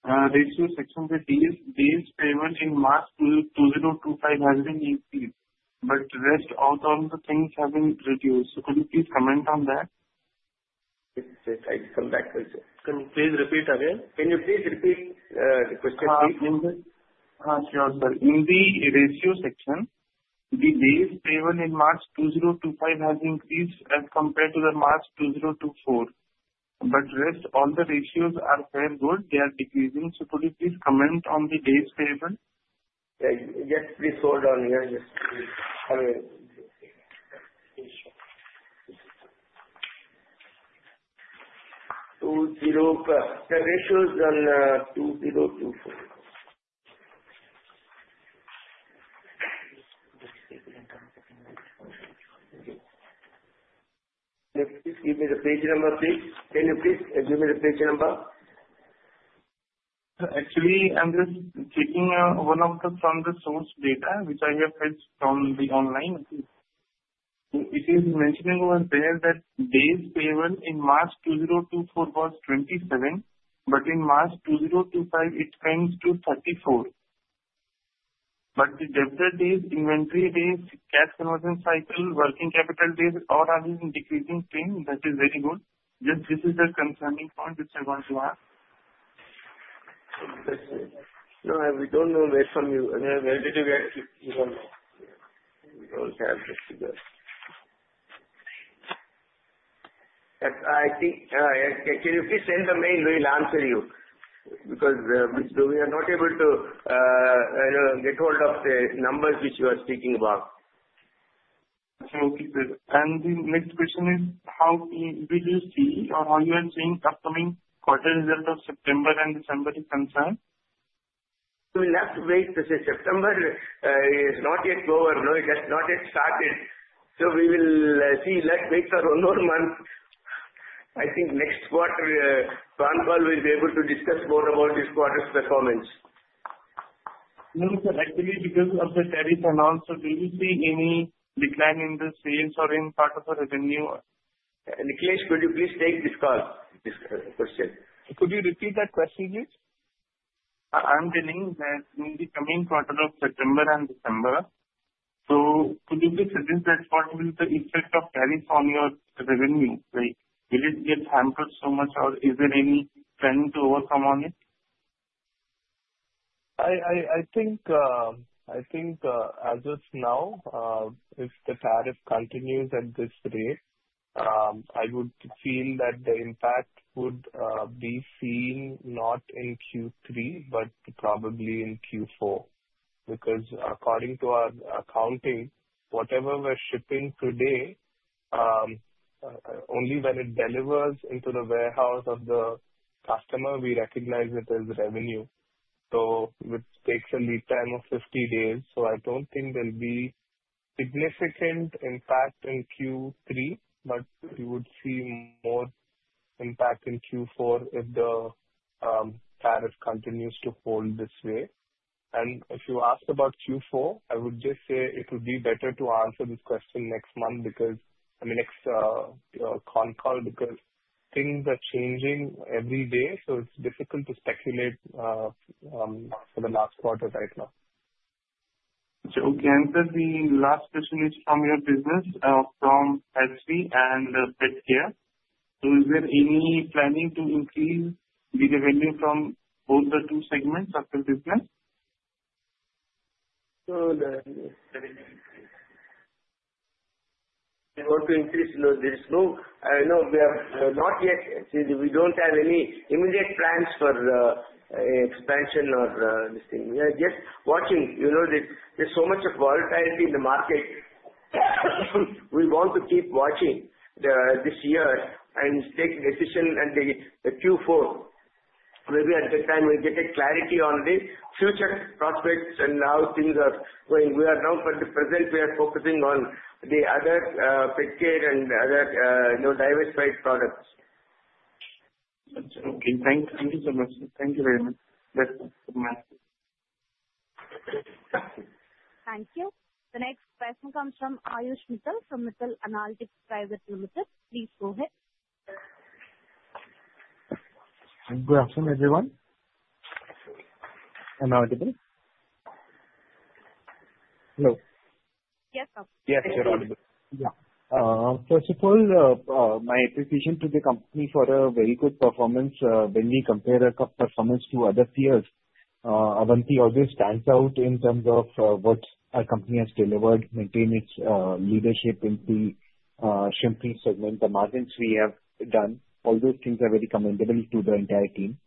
ratio section. The day's payment in March 2025 has been increased, but the rest of the things haven't reduced, so could you please comment on that? Yes, sir. I'll come back to it. Can you please repeat again? Can you please repeat the question? Sure, sir. In the ratio section, the day's payment in March 2025 has increased as compared to the March 2024. But rest of the ratios are fairly good. They are decreasing. So could you please comment on the day's payment? Yes. Please hold on here. Yes. The ratio is on 2024. Please give me the page number, please. Can you please give me the page number? Actually, I'm just checking one of the source data which I have from the online. It is mentioning over there that debtor days in March 2024 was 27, but in March 2025, it trends to 34. But the debtor days, inventory days, cash conversion cycle, working capital days, all are decreasing trend. That is very good. Just this is the concerning point which I want to ask. No, we don't know where from you. Where did you get? We don't know. We don't have the figure. Can you please send the mail? We'll answer you because we are not able to get hold of the numbers which you are speaking about. Okay. And the next question is, how will you see or how you are seeing upcoming quarter results of September and December is concerned? We'll have to wait. September is not yet over. No, it has not yet started. So we will see. Let's wait for one more month. I think next quarter, Kumar will be able to discuss more about this quarter's performance. No, sir. Actually, because of the tariff and also, do you see any decline in the sales or in part of the revenue? Nikhilesh, could you please take this call? This question. Could you repeat that question, please? I'm getting that maybe coming quarter of September and December. So could you please suggest that what will be the effect of tariff on your revenue? Will it get hampered so much, or is there any planning to overcome on it? I think as of now, if the tariff continues at this rate, I would feel that the impact would be seen not in Q3, but probably in Q4. Because according to our accounting, whatever we're shipping today, only when it delivers into the warehouse of the customer, we recognize it as revenue. So it takes a lead time of 50 days. So I don't think there'll be significant impact in Q3, but we would see more impact in Q4 if the tariff continues to hold this way. And if you ask about Q4, I would just say it would be better to answer this question next month because next con call because things are changing every day. So it's difficult to speculate for the last quarter right now. So, Chandra, the last question is from your business, from Pet feed and Pet care. So, is there any planning to increase the revenue from both the two segments of your business? We want to increase. No, there is no. I know we are not yet. See, we don't have any immediate plans for expansion or this thing. We are just watching. There's so much volatility in the market. We want to keep watching this year and take a decision and the Q4. Maybe at that time, we'll get clarity on the future prospects and how things are going. We are now, for the present, we are focusing on the other Pet care and other diversified products. Okay. Thank you so much. Thank you very much. Thank you. The next question comes from Ayush Mittal from Mittal Analytics Private Limited. Please go ahead. Good afternoon, everyone. Am I audible? Hello. Yes, sir. Yes, you're audible. Yeah. First of all, my appreciation to the company for a very good performance when we compare a performance to other peers. Avanti always stands out in terms of what our company has delivered, maintained its leadership in the shrimp feed segment, the margins we have done. All those things are very commendable to the entire team.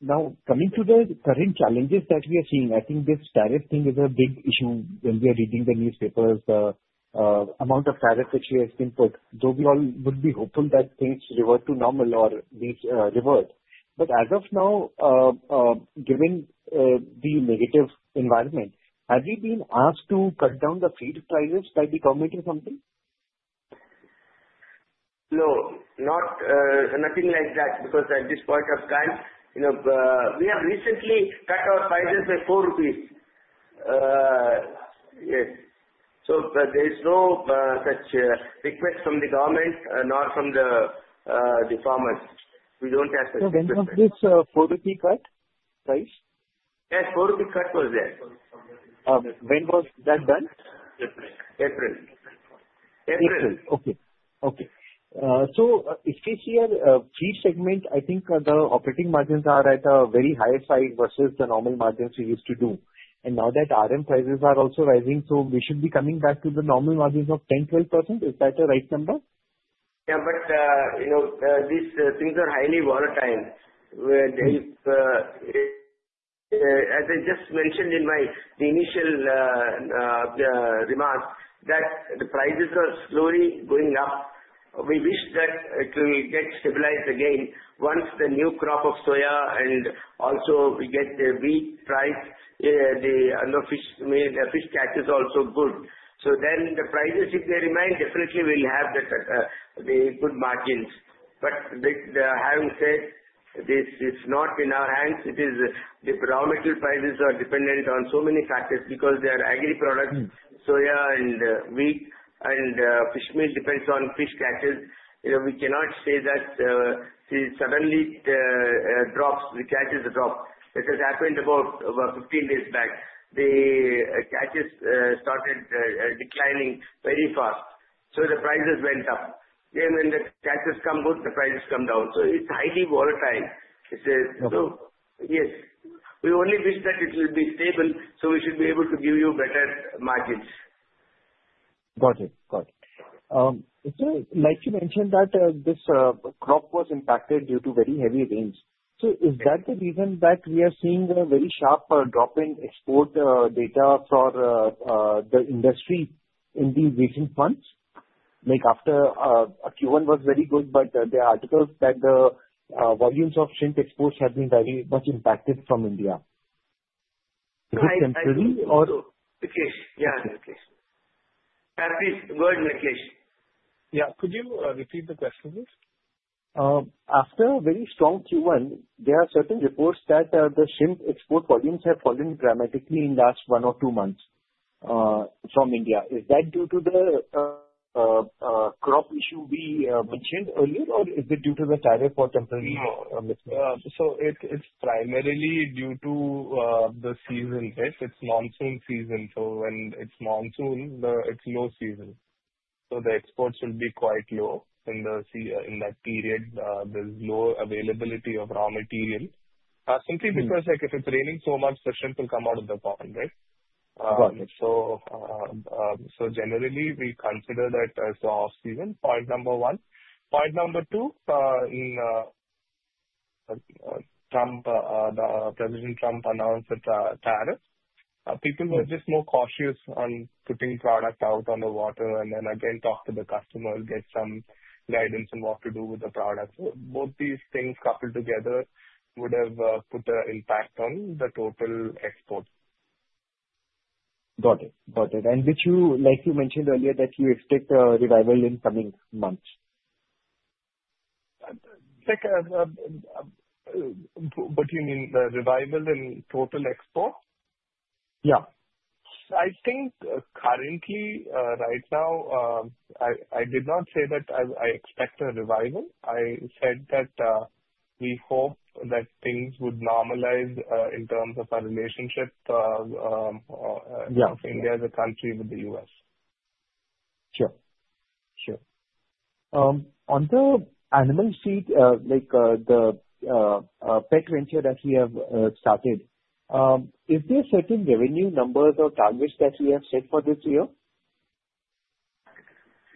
Now, coming to the current challenges that we are seeing, I think this tariff thing is a big issue when we are reading the newspapers, the amount of tariff which has been put. Though we all would be hopeful that things revert to normal or revert. But as of now, given the negative environment, have we been asked to cut down the feed prices by the government or something? No, nothing like that because at this point of time, we have recently cut our prices by 4 rupees. Yes. So there is no such request from the government, not from the farmers. We don't have such requests. When was this 4 rupee cut price? Yes, 4 rupee cut was there. When was that done? April. April. April. April. Okay. So if you see here, feed segment, I think the operating margins are at a very higher side versus the normal margins we used to do. And now that RM prices are also rising, so we should be coming back to the normal margins of 10%-12%. Is that the right number? Yeah, but these things are highly volatile. As I just mentioned in the initial remark, that the prices are slowly going up. We wish that it will get stabilized again once the new crop of soya and also we get the wheat price, the fish catch is also good. So then the prices, if they remain, definitely we'll have the good margins. But having said this, it's not in our hands. The raw material prices are dependent on so many factors because there are agri products, soya and wheat, and fish meal depends on fish catches. We cannot say that suddenly the catches drop. It has happened about 15 days back. The catches started declining very fast. So the prices went up. Then when the catches come good, the prices come down. So it's highly volatile. So yes, we only wish that it will be stable, so we should be able to give you better margins. Got it. Got it. So like you mentioned that this crop was impacted due to very heavy rains. So is that the reason that we are seeing a very sharp drop in export data for the industry in these recent months? Like after Q1 was very good, but the articles that the volumes of shrimp exports have been very much impacted from India. Is it temporary or? Nikhilesh. Yeah, Nikhilesh. Please go ahead, Nikhilesh. Yeah. Could you repeat the question, please? After a very strong Q1, there are certain reports that the shrimp export volumes have fallen dramatically in the last one or two months from India. Is that due to the crop issue we mentioned earlier, or is it due to the tariff or temporary mix? So it's primarily due to the seasonality. It's monsoon season. So when it's monsoon, it's low season. So the exports will be quite low in that period. There's low availability of raw material. Simply because if it's raining so much, the shrimp will come out of the pond, right? So generally, we consider that as the off-season, point number one. Point number two, President Trump announced the tariff. People were just more cautious on putting product out on the water and then again talk to the customer, get some guidance on what to do with the product. So both these things coupled together would have put an impact on the total export. Got it. Got it. And like you mentioned earlier, that you expect a revival in coming months? What do you mean? The revival in total export? Yeah. I think currently, right now, I did not say that I expect a revival. I said that we hope that things would normalize in terms of our relationship of India as a country with the U.S. Sure. Sure. On the animal feed, the pet venture that we have started, is there certain revenue numbers or targets that we have set for this year?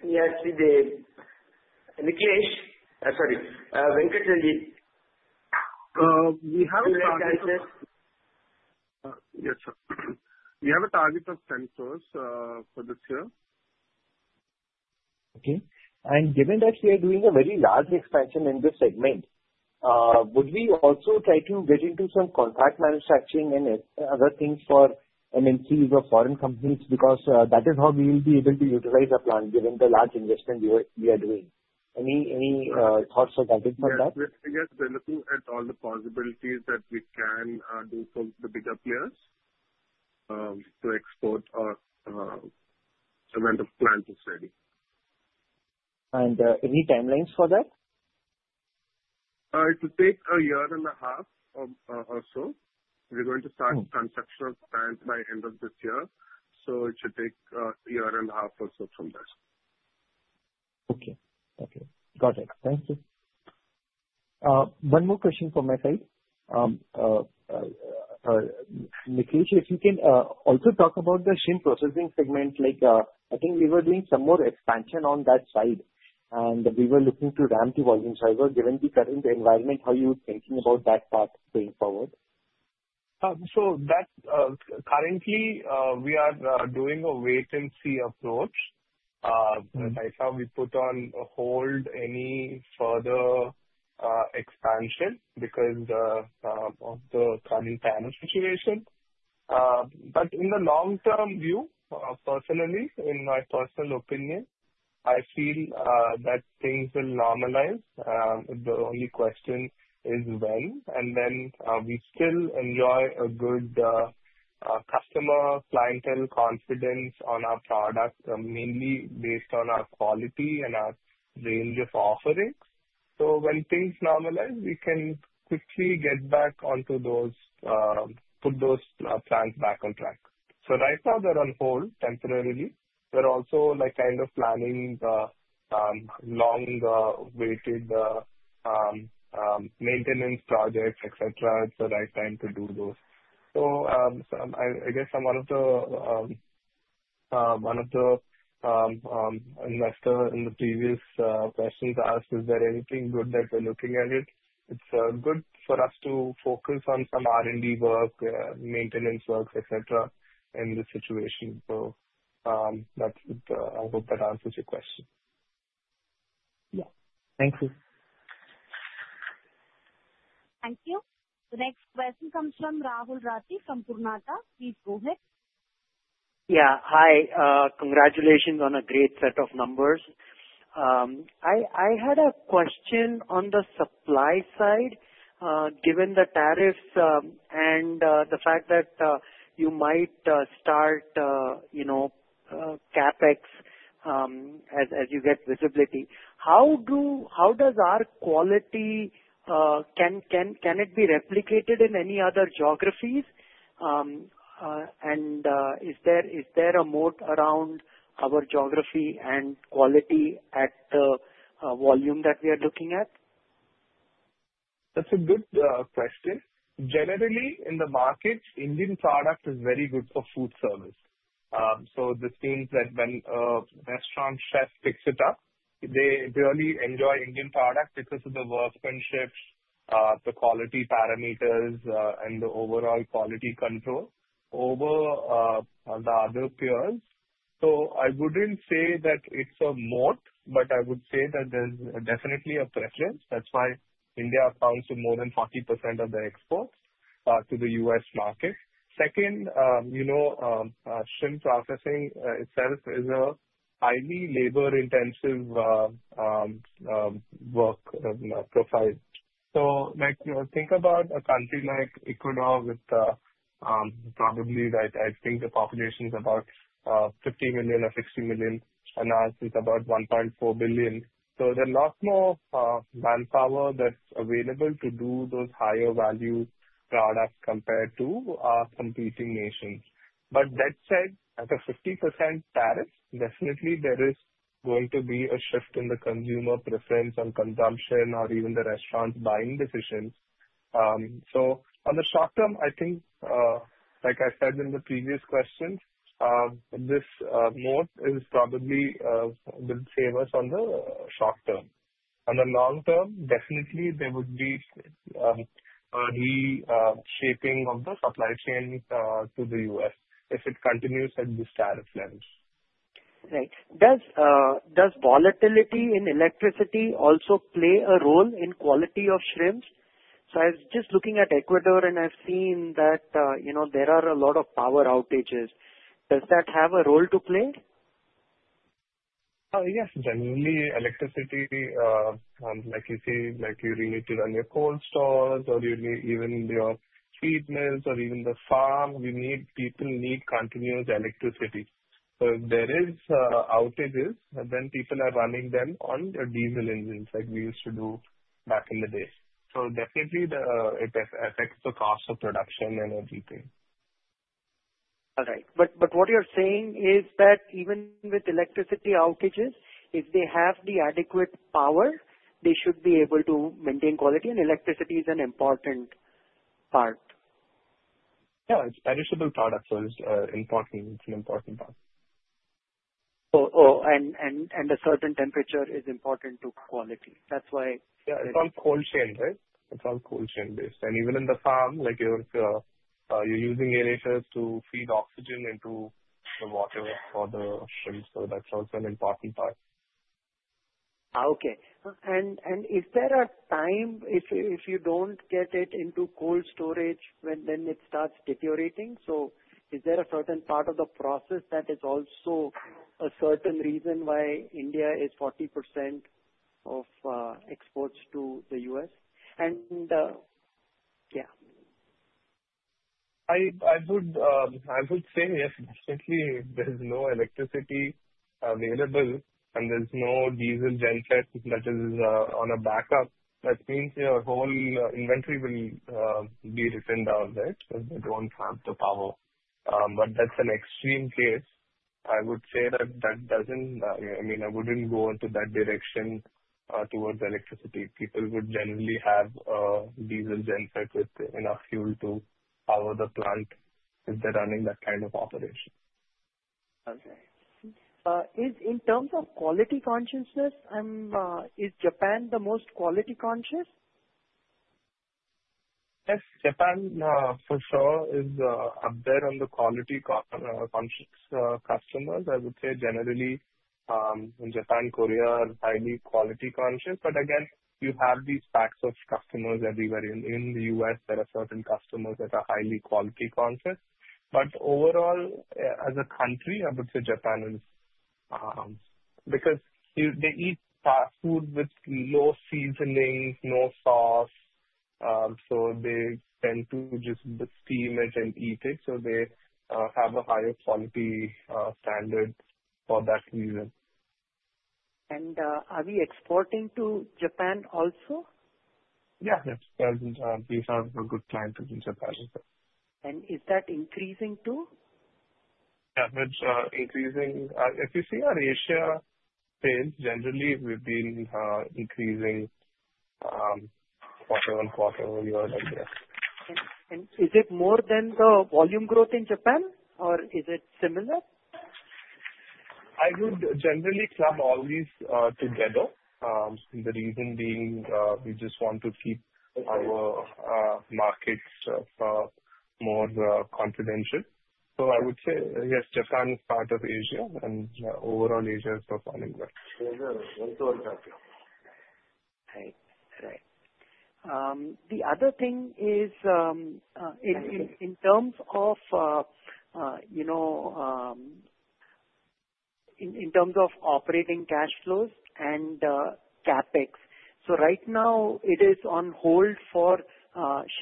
Yes. Nikhilesh? Sorry. Venkata Sanjeev. We have a target. Yes, sir. We have a target of 10% for this year. Okay. And given that we are doing a very large expansion in this segment, would we also try to get into some contract manufacturing and other things for MNCs or foreign companies? Because that is how we will be able to utilize our plant given the large investment we are doing. Any thoughts or guidance on that? Yes. We are looking at all the possibilities that we can do for the bigger players to export when the plant is ready. Any timelines for that? It will take a year and a half or so. We're going to start construction of plants by end of this year. So it should take a year and a half or so from there. Okay. Okay. Got it. Thank you. One more question from my side. Nikhilesh, if you can also talk about the shrimp processing segment. I think we were doing some more expansion on that side. And we were looking to ramp the volumes. However, given the current environment, how are you thinking about that part going forward? Currently, we are doing a wait-and-see approach. Right now, we put on hold any further expansion because of the current pandemic situation. But in the long-term view, personally, in my personal opinion, I feel that things will normalize. The only question is when. And then we still enjoy a good customer clientele confidence on our product, mainly based on our quality and our range of offerings. So when things normalize, we can quickly get back onto those, put those plants back on track. So right now, they're on hold temporarily. We're also kind of planning long-awaited maintenance projects, etc. It's the right time to do those. So I guess I'm one of the investors in the previous questions asked, is there anything good that we're looking at? It's good for us to focus on some R&D work, maintenance work, etc., in this situation. So I hope that answers your question. Yeah. Thank you. Thank you. The next question comes from Rahul Rathi from Purnartha. Please go ahead. Yeah. Hi. Congratulations on a great set of numbers. I had a question on the supply side, given the tariffs and the fact that you might start CapEx as you get visibility. How does our quality can it be replicated in any other geographies? And is there a moat around our geography and quality at the volume that we are looking at? That's a good question. Generally, in the markets, Indian product is very good for food service. So this means that when a restaurant chef picks it up, they really enjoy Indian product because of the workmanship, the quality parameters, and the overall quality control over the other peers. So I wouldn't say that it's a moat, but I would say that there's definitely a preference. That's why India accounts for more than 40% of the exports to the U.S. market. Second, shrimp processing itself is a highly labor-intensive work profile. So think about a country like Ecuador with probably, I think, the population is about 50 million or 60 million, and now it's about 1.4 billion. So there's a lot more manpower that's available to do those higher-value products compared to competing nations. But that said, at a 50% tariff, definitely, there is going to be a shift in the consumer preference and consumption or even the restaurants' buying decisions. So on the short term, I think, like I said in the previous question, this moat will save us on the short term. On the long term, definitely, there would be a reshaping of the supply chain to the U.S. if it continues at this tariff level. Right. Does volatility in electricity also play a role in quality of shrimps? So I was just looking at Ecuador, and I've seen that there are a lot of power outages. Does that have a role to play? Yes. Generally, electricity, like you see, like you need to run your cold stores or even your feed mills or even the farm, people need continuous electricity. So if there are outages, then people are running them on diesel engines like we used to do back in the day. So definitely, it affects the cost of production and everything. All right. But what you're saying is that even with electricity outages, if they have the adequate power, they should be able to maintain quality, and electricity is an important part. Yeah. It's perishable product, so it's an important part. Oh. And a certain temperature is important to quality. That's why. Yeah. It's all cold-chain, right? It's all cold-chain-based, and even in the farm, you're using aerators to feed oxygen into the water for the shrimps, so that's also an important part. Okay. And is there a time if you don't get it into cold storage, then it starts deteriorating? So is there a certain part of the process that is also a certain reason why India is 40% of exports to the U.S.? And yeah. I would say, yes, definitely, there's no electricity available, and there's no diesel genset that is on a backup. That means your whole inventory will be written down, right, because they don't have the power. But that's an extreme case. I would say that doesn't. I mean, I wouldn't go into that direction towards electricity. People would generally have a diesel genset with enough fuel to power the plant if they're running that kind of operation. Okay. In terms of quality consciousness, is Japan the most quality-conscious? Yes. Japan, for sure, is up there on the quality-conscious customers. I would say, generally, in Japan, Korea are highly quality-conscious. But again, you have these pockets of customers everywhere. In the U.S., there are certain customers that are highly quality-conscious. But overall, as a country, I would say Japan is because they eat fast food with no seasoning, no sauce. So they tend to just steam it and eat it. So they have a higher quality standard for that reason. Are we exporting to Japan also? Yeah. Yes. We have a good client in Japan as well. Is that increasing too? Yeah. It's increasing. If you see our Asia sales, generally, we've been increasing quarter on quarter over the years. Is it more than the volume growth in Japan, or is it similar? I would generally club all these together. The reason being we just want to keep our markets more confidential. So I would say, yes, Japan is part of Asia, and overall, Asia is performing well. Right. Right. The other thing is, in terms of operating cash flows and CapEx, so right now, it is on hold for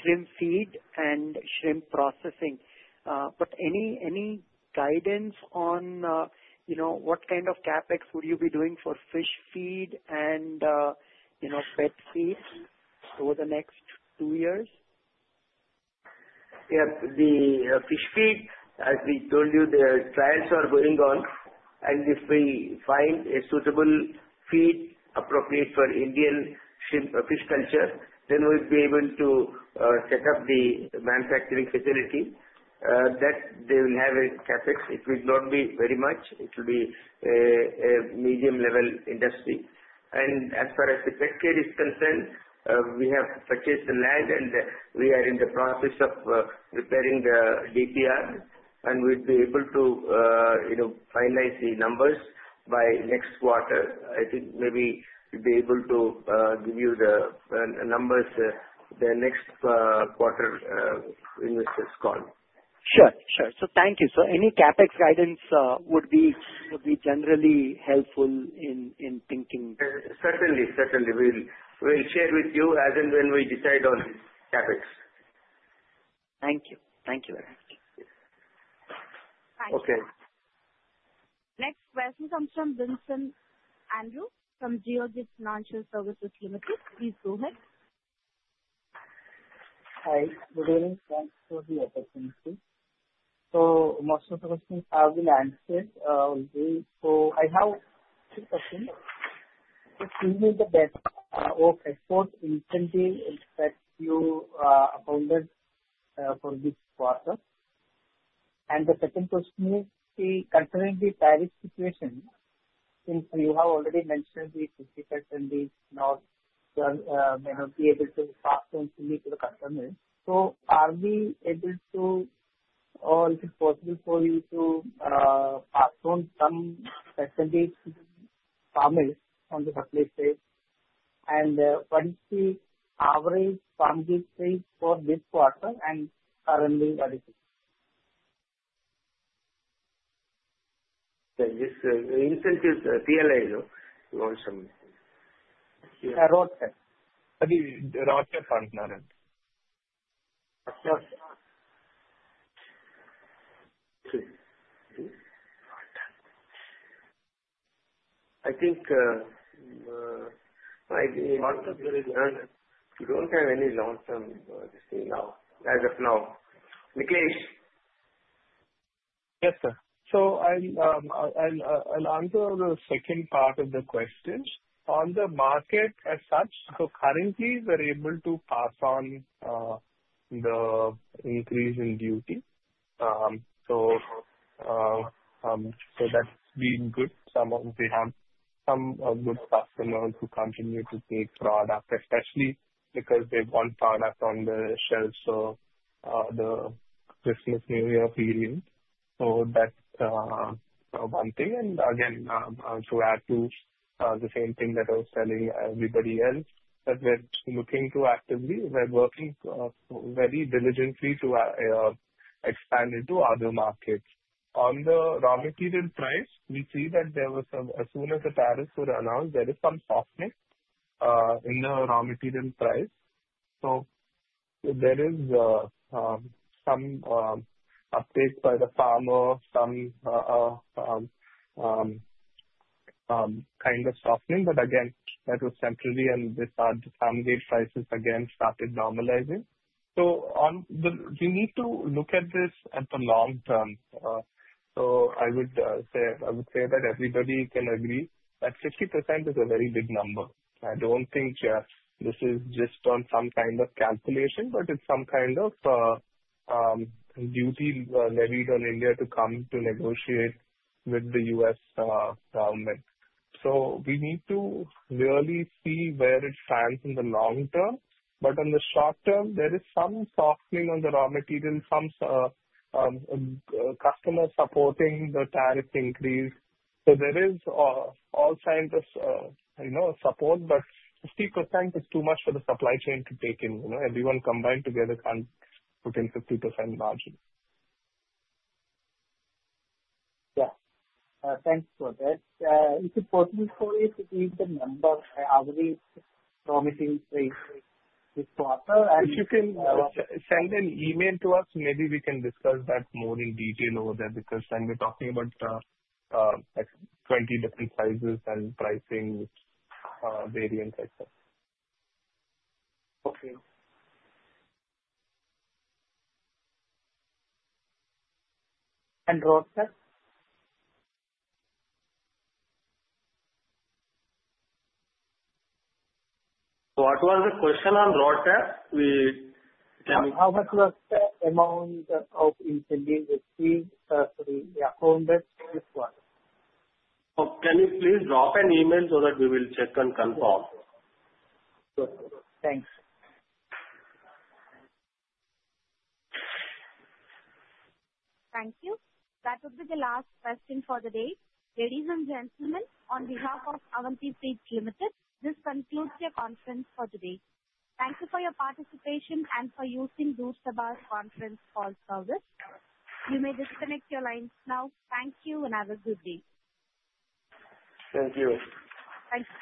shrimp feed and shrimp processing. But any guidance on what kind of CapEx would you be doing for fish feed and pet feed over the next two years? Yes. The fish feed, as we told you, the trials are going on. If we find a suitable feed appropriate for Indian fish culture, then we'll be able to set up the manufacturing facility. That they will have a CapEx. It will not be very much. It will be a medium-level industry. As far as the pet care is concerned, we have purchased the land, and we are in the process of preparing the DPR. We'll be able to finalize the numbers by next quarter. I think maybe we'll be able to give you the numbers the next quarter when this is called. Sure. Sure. So thank you. So any CapEx guidance would be generally helpful in thinking. Certainly. Certainly. We'll share with you as and when we decide on CapEx. Thank you. Thank you very much. Thank you. Okay. Next question comes from Vincent Andrew from Geojit Financial Services. Please go ahead. Hi. Good evening. Thanks for the opportunity. So most of the questions have been answered. So I have two questions. What is the best export incentive that you found for this process? And the second question is, considering the price situation, since you have already mentioned the 50%, you may not be able to pass it on to the customers. So are we able to, or is it possible for you to pass on some percentage to the farmers on the supply side? And what is the average farm gate price for this quarter? And currently, what is it? The incentive is PLI, though. You also missed it. Roster. I mean, Roster Funds. Roster? I think Roster is very good. We don't have any long-term now, as of now. Nikhilesh? Yes, sir. So I'll answer the second part of the question. On the market as such, so currently, we're able to pass on the increase in duty. So that's been good. We have some good customers who continue to take product, especially because they want product on the shelves for the Christmas/New Year period. So that's one thing. And again, to add to the same thing that I was telling everybody else that we're looking to actively, we're working very diligently to expand into other markets. On the raw material price, we see that as soon as the tariffs were announced, there is some softening in the raw material price. So there is some uptake by the farmer, some kind of softening. But again, that was temporary, and the farm gate prices again started normalizing. So we need to look at this at the long term. So I would say that everybody can agree that 50% is a very big number. I don't think this is just on some kind of calculation, but it's some kind of duty levied on India to come to negotiate with the U.S. government. So we need to really see where it stands in the long term. But on the short term, there is some softening on the raw material, some customers supporting the tariff increase. So there is all kinds of support, but 50% is too much for the supply chain to take in. Everyone combined together can't put in 50% margin. Yeah. Thanks for that. Is it possible for you to give the number, the average realization price this quarter? If you can send an email to us, maybe we can discuss that more in detail over there because then we're talking about 20 different sizes and pricing variants, etc. Okay. And Roster? What was the question on Roster? How much roster amount of incentive received for the account this quarter? Can you please drop an email so that we will check and confirm? Thanks. Thank you. That would be the last question for the day. Ladies and gentlemen, on behalf of Avanti Feeds Limited, this concludes the conference for today. Thank you for your participation and for using Roosevelt Conference Call Service. You may disconnect your lines now. Thank you, and have a good day. Thank you. Thanks.